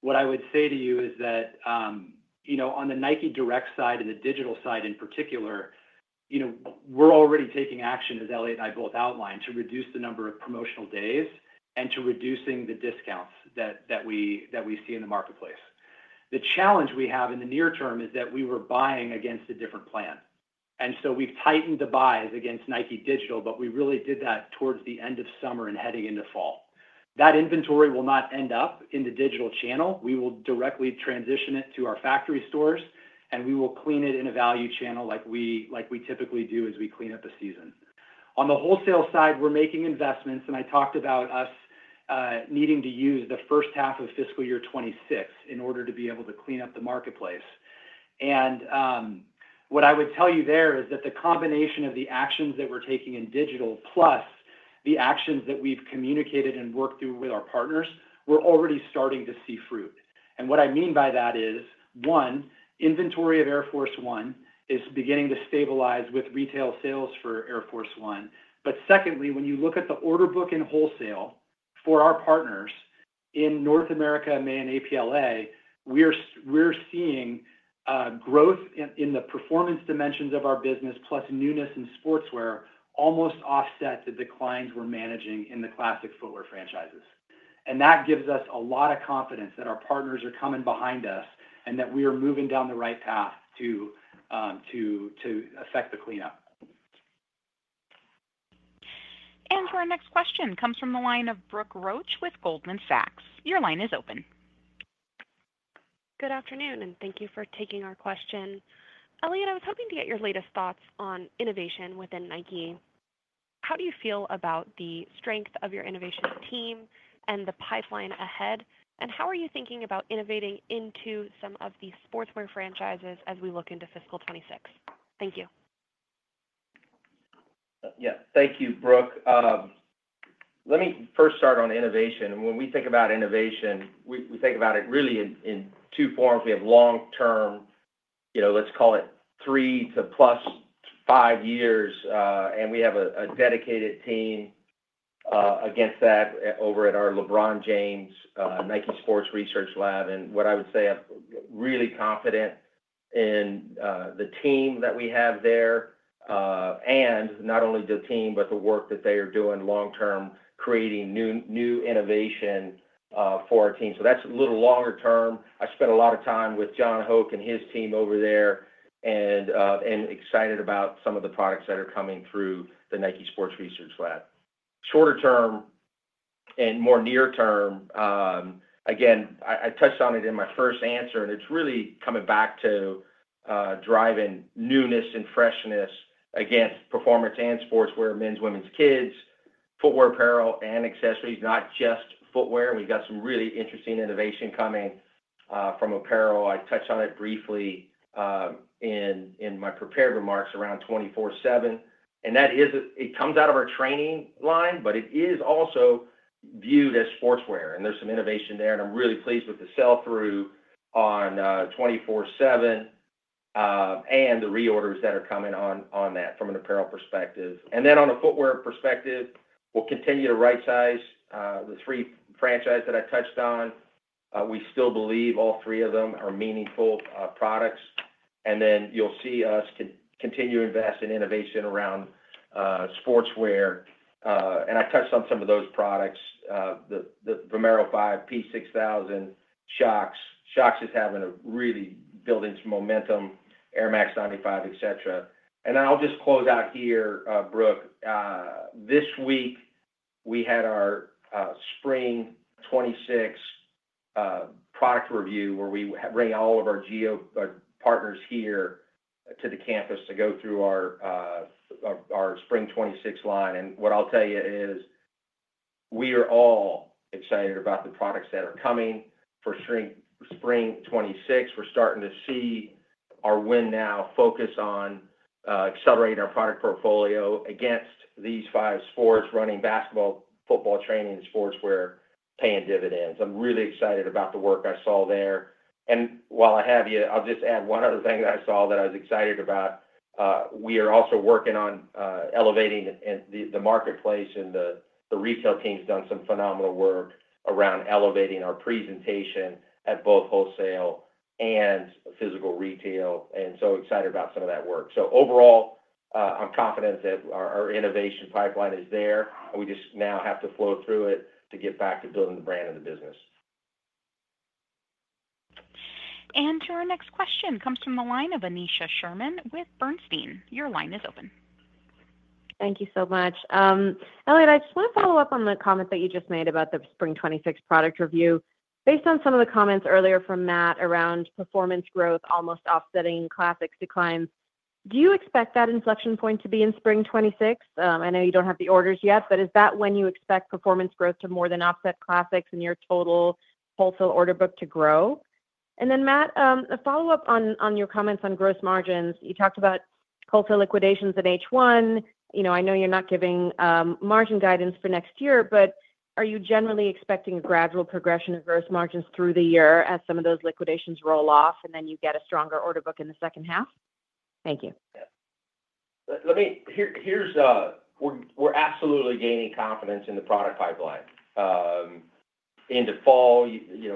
D: what I would say to you is that on the Nike Direct side and the digital side in particular, we're already taking action, as Elliott and I both outlined, to reduce the number of promotional days and to reduce the discounts that we see in the marketplace. The challenge we have in the near term is that we were buying against a different plan. We have tightened the buys against Nike Digital, but we really did that towards the end of summer and heading into fall. That inventory will not end up in the digital channel. We will directly transition it to our factory stores, and we will clean it in a value channel like we typically do as we clean up a season. On the wholesale side, we're making investments, and I talked about us needing to use the first half of fiscal year 2026 in order to be able to clean up the marketplace. What I would tell you there is that the combination of the actions that we're taking in digital plus the actions that we've communicated and worked through with our partners, we're already starting to see fruit. What I mean by that is, one, inventory of Air Force 1 is beginning to stabilize with retail sales for Air Force 1. But secondly, when you look at the order book in wholesale for our partners in North America, EMEA, and APLA, we're seeing growth in the performance dimensions of our business plus newness in sportswear almost offset the declines we're managing in the classic footwear franchises. That gives us a lot of confidence that our partners are coming behind us and that we are moving down the right path to affect the cleanup. For our next question, it comes from the line of Brooke Roach with Goldman Sachs. Your line is open.
F: Good afternoon, and thank you for taking our question. Elliott, I was hoping to get your latest thoughts on innovation within Nike. How do you feel about the strength of your innovation team and the pipeline ahead, and how are you thinking about innovating into some of the sportswear franchises as we look into fiscal 2026? Thank you.
A: Yeah. Thank you, Brooke. Let me first start on innovation. When we think about innovation, we think about it really in two forms. We have long-term, let's call it three to plus five years, and we have a dedicated team against that over at our LeBron James Nike Sports Research Lab. What I would say, I'm really confident in the team that we have there, and not only the team but the work that they are doing long-term, creating new innovation for our team. That's a little longer term. I spent a lot of time with John Hoke and his team over there and excited about some of the products that are coming through the Nike Sports Research Lab. Shorter term and more near term, again, I touched on it in my first answer, and it's really coming back to driving newness and freshness against performance and sportswear, men's, women's, kids, footwear, apparel, and accessories, not just footwear. We've got some really interesting innovation coming from apparel. I touched on it briefly in my prepared remarks around 24/7. It comes out of our training line, but it is also viewed as sportswear, and there is some innovation there. I am really pleased with the sell-through on 24/7 and the reorders that are coming on that from an apparel perspective. On a footwear perspective, we will continue to right-size the three franchises that I touched on. We still believe all three of them are meaningful products. You will see us continue to invest in innovation around sportswear. I touched on some of those products: the Vomero 5, P-6000, Shox. Shox is really building some momentum, Air Max 95, etc. I will just close out here, Brooke. This week, we had our Spring 2026 product review where we bring all of our geo partners here to the campus to go through our Spring 2026 line. What I'll tell you is we are all excited about the products that are coming for Spring 2026. We're starting to see our Win Now focus on accelerating our product portfolio against these five sports: running, basketball, football, training, and sportswear, paying dividends. I'm really excited about the work I saw there. While I have you, I'll just add one other thing that I saw that I was excited about. We are also working on elevating the marketplace, and the retail team's done some phenomenal work around elevating our presentation at both wholesale and physical retail. Excited about some of that work. Overall, I'm confident that our innovation pipeline is there. We just now have to flow through it to get back to building the brand and the business. To our next question, it comes from the line of Aneesha Sherman with Bernstein.Your line is open.
G: Thank you so much. Elliott, I just want to follow up on the comment that you just made about the Spring 2026 product review. Based on some of the comments earlier from Matt around performance growth almost offsetting classics declines, do you expect that inflection point to be in Spring 2026? I know you do not have the orders yet, but is that when you expect performance growth to more than offset classics and your total wholesale order book to grow? Matt, a follow-up on your comments on gross margins. You talked about wholesale liquidations at H1. I know you are not giving margin guidance for next year, but are you generally expecting a gradual progression of gross margins through the year as some of those liquidations roll off and you get a stronger order book in the second half? Thank you.
C: Yeah. We're absolutely gaining confidence in the product pipeline. Into fall,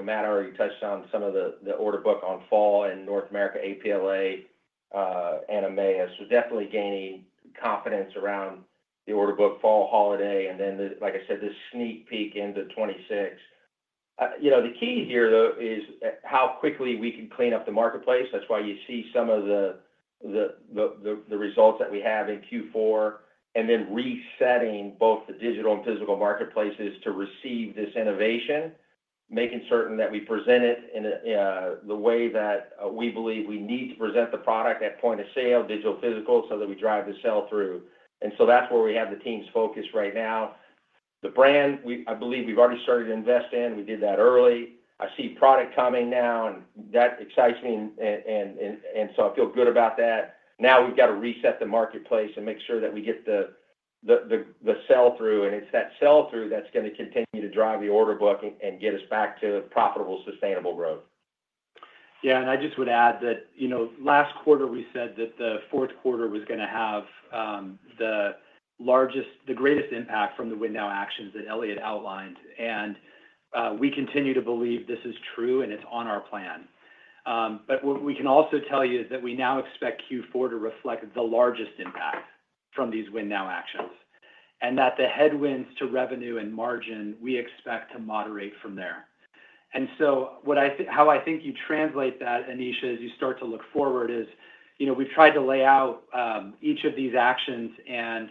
C: Matt, I already touched on some of the order book on fall and North America, APLA, and EMEA. Definitely gaining confidence around the order book fall holiday and then, like I said, this sneak peek into 2026. The key here, though, is how quickly we can clean up the marketplace. That's why you see some of the results that we have in Q4 and then resetting both the digital and physical marketplaces to receive this innovation, making certain that we present it in the way that we believe we need to present the product at point of sale, digital, physical, so that we drive the sell-through. That's where we have the team's focus right now. The brand, I believe we've already started to invest in. We did that early. I see product coming now, and that excites me, and so I feel good about that. Now we've got to reset the marketplace and make sure that we get the sell-through. It is that sell-through that's going to continue to drive the order book and get us back to profitable, sustainable growth.
D: Yeah. I just would add that last quarter, we said that the Q4 was going to have the greatest impact from the Win Now actions that Elliott outlined. We continue to believe this is true, and it is on our plan. What we can also tell you is that we now expect Q4 to reflect the largest impact from these Win Now actions and that the headwinds to revenue and margin, we expect to moderate from there. How I think you translate that, Aneesha, as you start to look forward, is we've tried to lay out each of these actions and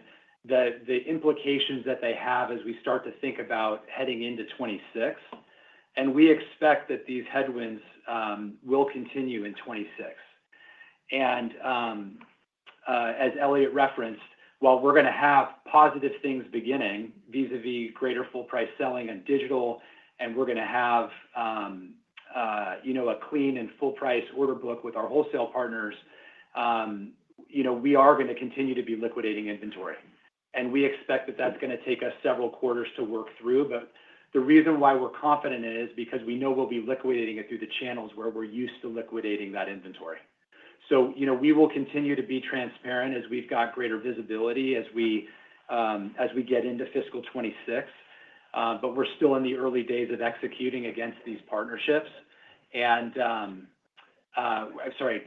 D: the implications that they have as we start to think about heading into 2026. We expect that these headwinds will continue in 2026. As Elliott referenced, while we're going to have positive things beginning vis-à-vis greater full-price selling and digital, and we're going to have a clean and full-price order book with our wholesale partners, we are going to continue to be liquidating inventory. We expect that that's going to take us several quarters to work through. The reason why we're confident in it is because we know we'll be liquidating it through the channels where we're used to liquidating that inventory. We will continue to be transparent as we've got greater visibility as we get into fiscal 2026. We're still in the early days of executing against these partnerships. Sorry,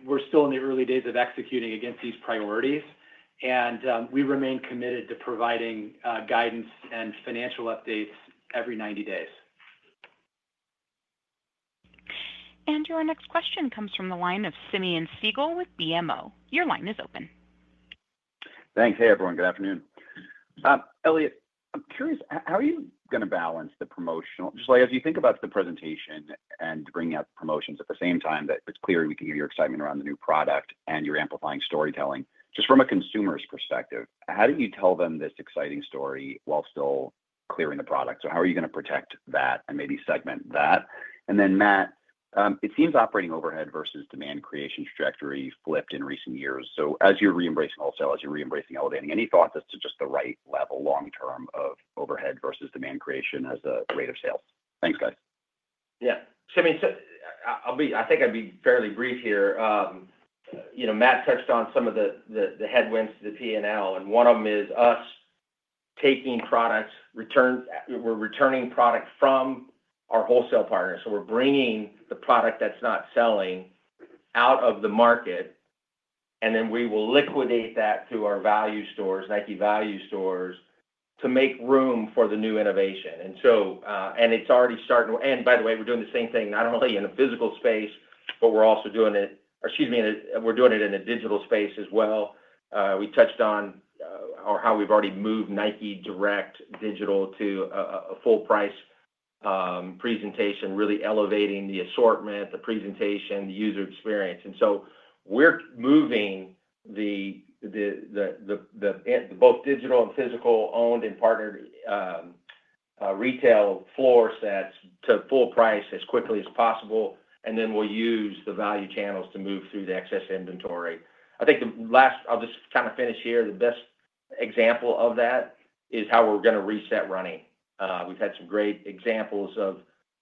D: we're still in the early days of executing against these priorities. We remain committed to providing guidance and financial updates every 90 days.
A: Your next question comes from the line of Simeon Siegel with BMO. Your line is open.
H: Thanks. Hey, everyone. Good afternoon. Elliott, I'm curious, how are you going to balance the promotional? Just like as you think about the presentation and bringing out the promotions at the same time, it's clear we can hear your excitement around the new product and your amplifying storytelling. Just from a consumer's perspective, how do you tell them this exciting story while still clearing the product? How are you going to protect that and maybe segment that? Then, Matt, it seems operating overhead versus demand creation trajectory flipped in recent years. As you're re-embracing wholesale, as you're re-embracing elevating, any thoughts as to just the right level long-term of overhead versus demand creation as a rate of sales? Thanks, guys.
C: Yeah. I think I'd be fairly brief here. Matt touched on some of the headwinds to the P&L, and one of them is us taking products. We're returning product from our wholesale partners. We're bringing the product that's not selling out of the market, and then we will liquidate that through our value stores, Nike value stores, to make room for the new innovation. It's already starting. By the way, we're doing the same thing, not only in a physical space, but we're also doing it, excuse me, we're doing it in a digital space as well. We touched on how we've already moved Nike Direct, Digital to a full-price presentation, really elevating the assortment, the presentation, the user experience. We are moving both digital and physical-owned and partnered retail floor sets to full price as quickly as possible. We will use the value channels to move through the excess inventory. I think the last, I will just kind of finish here. The best example of that is how we are going to reset running. We have had some great examples of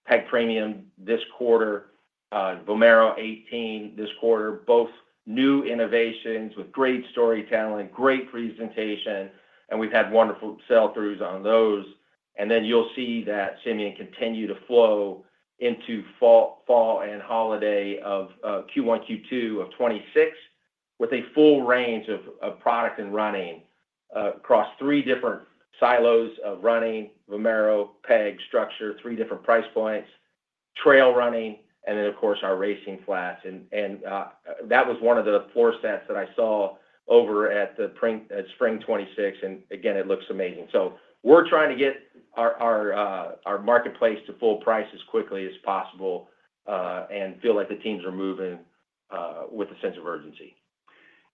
C: Peg Premium this quarter, Vomero 18 this quarter, both new innovations with great storytelling, great presentation. We have had wonderful sell-throughs on those. You will see that, Simeon, continue to flow into fall and holiday of Q1, Q2 of 2026 with a full range of product and running across three different silos of running: Vomero, Peg, Structure, three different price points, trail running, and then, of course, our racing flats. That was one of the floor sets that I saw over at Spring 2026. It looks amazing. We are trying to get our marketplace to full price as quickly as possible and feel like the teams are moving with a sense of urgency.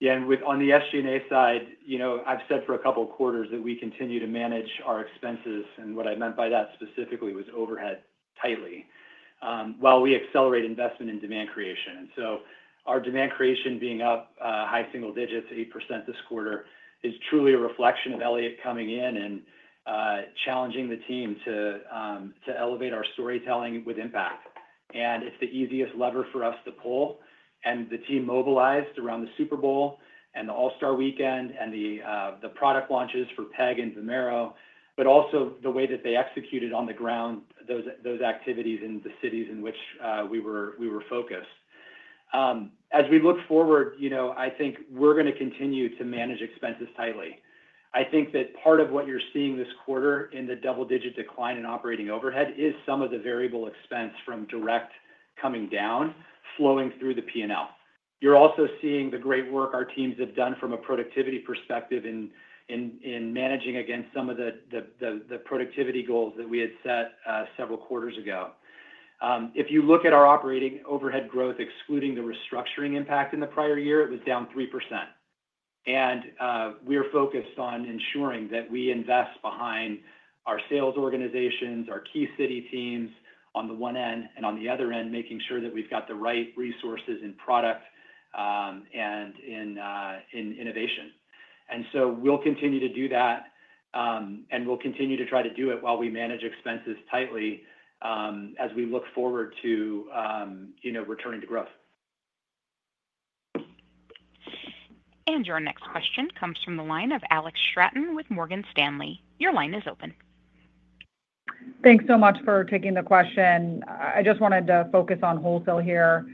D: Yeah. On the SG&A side, I have said for a couple of quarters that we continue to manage our expenses. What I meant by that specifically was overhead tightly while we accelerate investment in demand creation. Our demand creation being up high single digits, 8% this quarter, is truly a reflection of Elliott coming in and challenging the team to elevate our storytelling with impact. It is the easiest lever for us to pull. The team mobilized around the Super Bowl and the All-Star weekend and the product launches for Peg and Vomero, but also the way that they executed on the ground those activities in the cities in which we were focused. As we look forward, I think we are going to continue to manage expenses tightly. I think that part of what you are seeing this quarter in the double-digit decline in operating overhead is some of the variable expense from direct coming down, flowing through the P&L. You're also seeing the great work our teams have done from a productivity perspective in managing against some of the productivity goals that we had set several quarters ago. If you look at our operating overhead growth, excluding the restructuring impact in the prior year, it was down 3%. We are focused on ensuring that we invest behind our sales organizations, our key city teams on the one end, and on the other end, making sure that we've got the right resources in product and in innovation. We will continue to do that, and we'll continue to try to do it while we manage expenses tightly as we look forward to returning to growth.
A: Your next question comes from the line of Alex Straton with Morgan Stanley. Your line is open.
I: Thanks so much for taking the question. I just wanted to focus on wholesale here.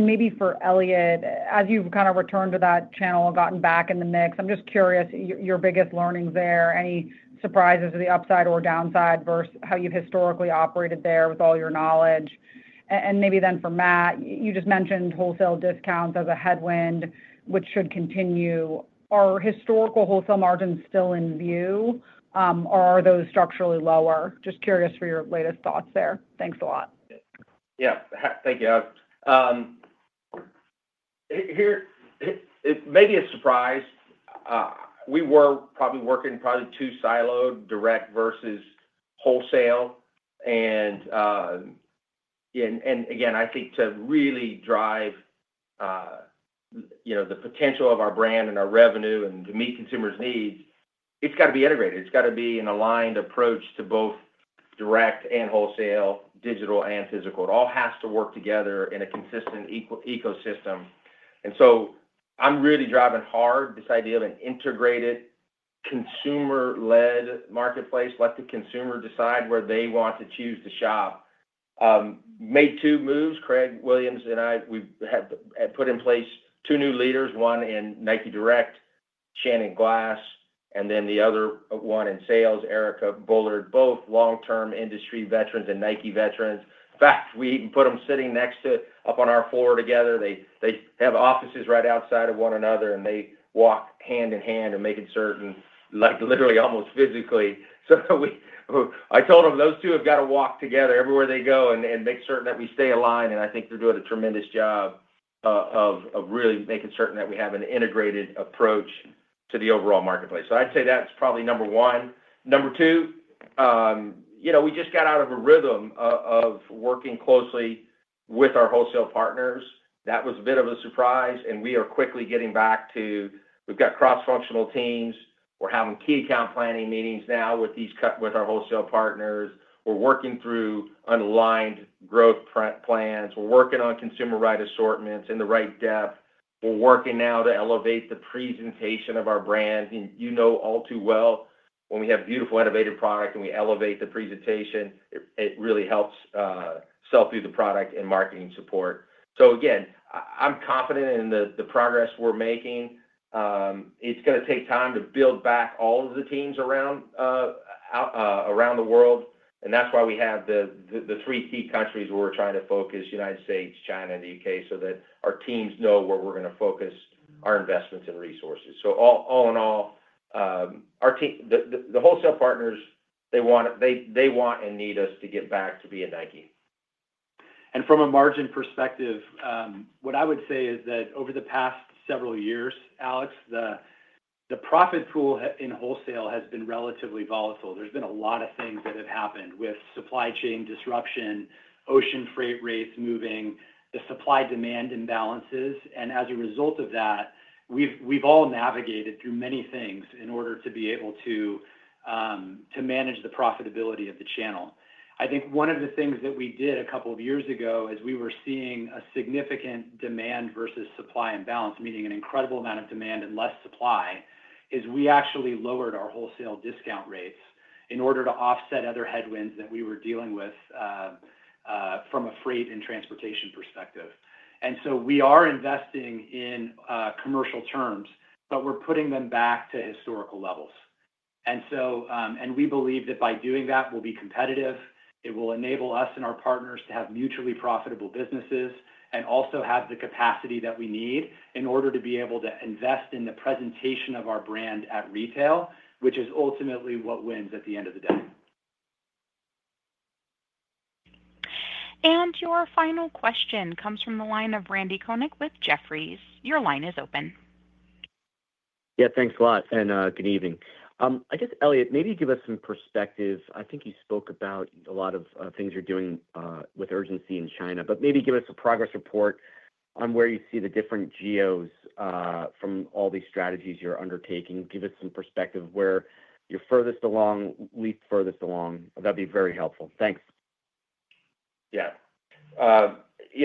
I: Maybe for Elliott, as you've kind of returned to that channel and gotten back in the mix, I'm just curious, your biggest learnings there, any surprises to the upside or downside versus how you've historically operated there with all your knowledge? Maybe then for Matt, you just mentioned wholesale discounts as a headwind, which should continue. Are historical wholesale margins still in view, or are those structurally lower? Just curious for your latest thoughts there. Thanks a lot.
C: Yeah. Thank you. Maybe a surprise. We were probably working probably two siloed, direct versus wholesale. I think to really drive the potential of our brand and our revenue and to meet consumers' needs, it's got to be integrated. It's got to be an aligned approach to both direct and wholesale, digital and physical. It all has to work together in a consistent ecosystem. I'm really driving hard this idea of an integrated consumer-led marketplace. Let the consumer decide where they want to choose to shop. Made two moves, Craig Williams and I, we have put in place two new leaders, one in Nike Direct, Shannon Glass, and then the other one in sales, Erica Bullard, both long-term industry veterans and Nike veterans. In fact, we even put them sitting next to up on our floor together. They have offices right outside of one another, and they walk hand in hand and make it certain, literally almost physically. I told them those two have got to walk together everywhere they go and make certain that we stay aligned. I think they're doing a tremendous job of really making certain that we have an integrated approach to the overall marketplace. I'd say that's probably number one. Number two, we just got out of a rhythm of working closely with our wholesale partners. That was a bit of a surprise. We are quickly getting back to we've got cross-functional teams. We're having key account planning meetings now with our wholesale partners. We're working through aligned growth plans. We're working on consumer-right assortments in the right depth. We're working now to elevate the presentation of our brand. You know all too well when we have beautiful, innovative product and we elevate the presentation, it really helps sell through the product and marketing support. I'm confident in the progress we're making. It's going to take time to build back all of the teams around the world. That is why we have the three key countries where we're trying to focus: United States, China, and the U.K., so that our teams know where we're going to focus our investments and resources. All in all, the wholesale partners, they want and need us to get back to be at Nike.
D: From a margin perspective, what I would say is that over the past several years, Alex, the profit pool in wholesale has been relatively volatile. There's been a lot of things that have happened with supply chain disruption, ocean freight rates moving, the supply-demand imbalances. As a result of that, we've all navigated through many things in order to be able to manage the profitability of the channel. I think one of the things that we did a couple of years ago as we were seeing a significant demand versus supply imbalance, meaning an incredible amount of demand and less supply, is we actually lowered our wholesale discount rates in order to offset other headwinds that we were dealing with from a freight and transportation perspective. We are investing in commercial terms, but we're putting them back to historical levels. We believe that by doing that, we'll be competitive. It will enable us and our partners to have mutually profitable businesses and also have the capacity that we need in order to be able to invest in the presentation of our brand at retail, which is ultimately what wins at the end of the day.
A: Your final question comes from the line of Randy Koenig with Jefferies. Your line is open.
J: Yeah. Thanks a lot. Good evening. I guess, Elliott, maybe give us some perspective. I think you spoke about a lot of things you're doing with urgency in China, but maybe give us a progress report on where you see the different geos from all these strategies you're undertaking. Give us some perspective where you're furthest along, least furthest along. That'd be very helpful. Thanks.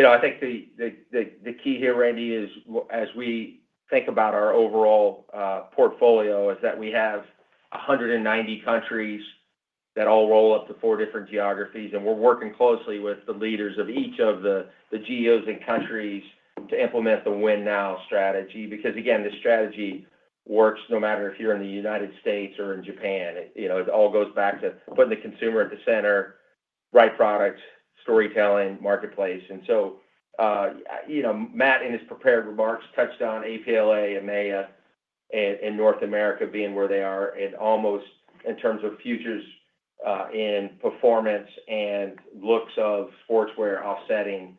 C: I think the key here, Randy, is as we think about our overall portfolio, we have 190 countries that all roll up to four different geographies. We're working closely with the leaders of each of the geos and countries to implement the Win Now strategy. Because again, the strategy works no matter if you're in the United States or in Japan. It all goes back to putting the consumer at the center, right product, storytelling, marketplace. Matt, in his prepared remarks, touched on APLA, EMEA, and North America being where they are almost in terms of futures and performance and looks of sportswear offsetting.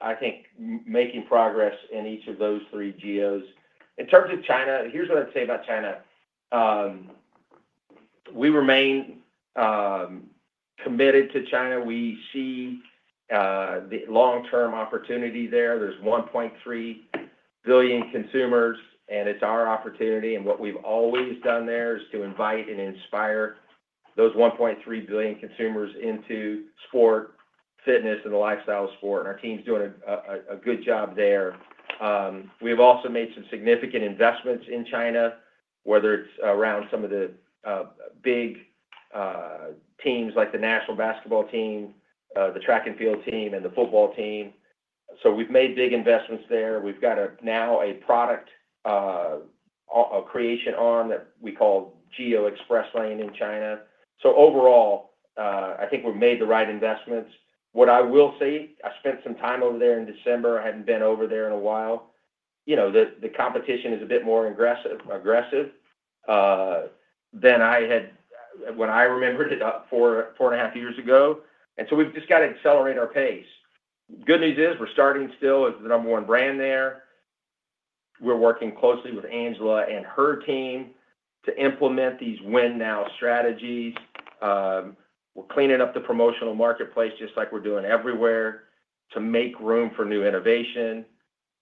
C: I think we are making progress in each of those three geos. In terms of China, here's what I would say about China. We remain committed to China. We see the long-term opportunity there. There are 1.3 billion consumers, and it is our opportunity. What we have always done there is to invite and inspire those 1.3 billion consumers into sport, fitness, and the lifestyle of sport. Our team is doing a good job there. We have also made some significant investments in China, whether it is around some of the big teams like the national basketball team, the track and field team, and the football team. We have made big investments there. We've got now a product creation arm that we call Geo Express Lane in China. Overall, I think we've made the right investments. What I will say, I spent some time over there in December. I hadn't been over there in a while. The competition is a bit more aggressive than I had when I remembered it four and a half years ago. We just have to accelerate our pace. Good news is we're starting still as the number one brand there. We're working closely with Angela and her team to implement these Win Now strategies. We're cleaning up the promotional marketplace just like we're doing everywhere to make room for new innovation.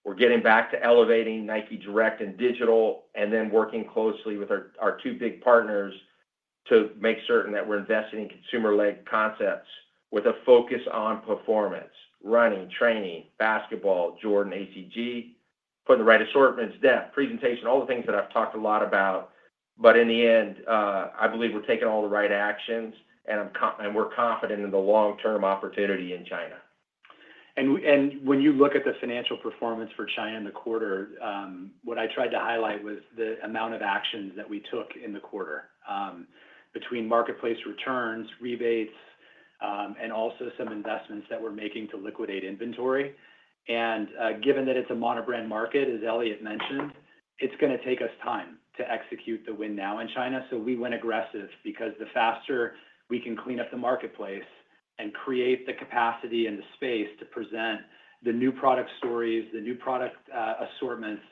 C: We're getting back to elevating Nike Direct and Digital and then working closely with our two big partners to make certain that we're investing in consumer-led concepts with a focus on performance, running, training, basketball, Jordan, ACG, putting the right assortments, depth, presentation, all the things that I've talked a lot about. In the end, I believe we're taking all the right actions, and we're confident in the long-term opportunity in China.
D: When you look at the financial performance for China in the quarter, what I tried to highlight was the amount of actions that we took in the quarter between marketplace returns, rebates, and also some investments that we're making to liquidate inventory. Given that it's a monobrand market, as Elliott mentioned, it's going to take us time to execute the Win Now in China. We went aggressive because the faster we can clean up the marketplace and create the capacity and the space to present the new product stories, the new product assortments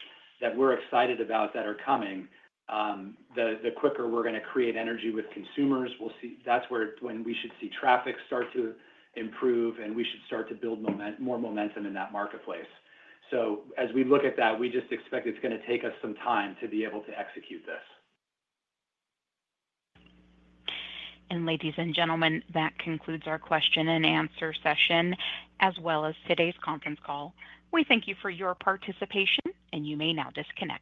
D: that we're excited about that are coming, the quicker we're going to create energy with consumers. That's when we should see traffic start to improve, and we should start to build more momentum in that marketplace. As we look at that, we just expect it's going to take us some time to be able to execute this.
A: Ladies and gentlemen, that concludes our question and answer session as well as today's conference call. We thank you for your participation, and you may now disconnect.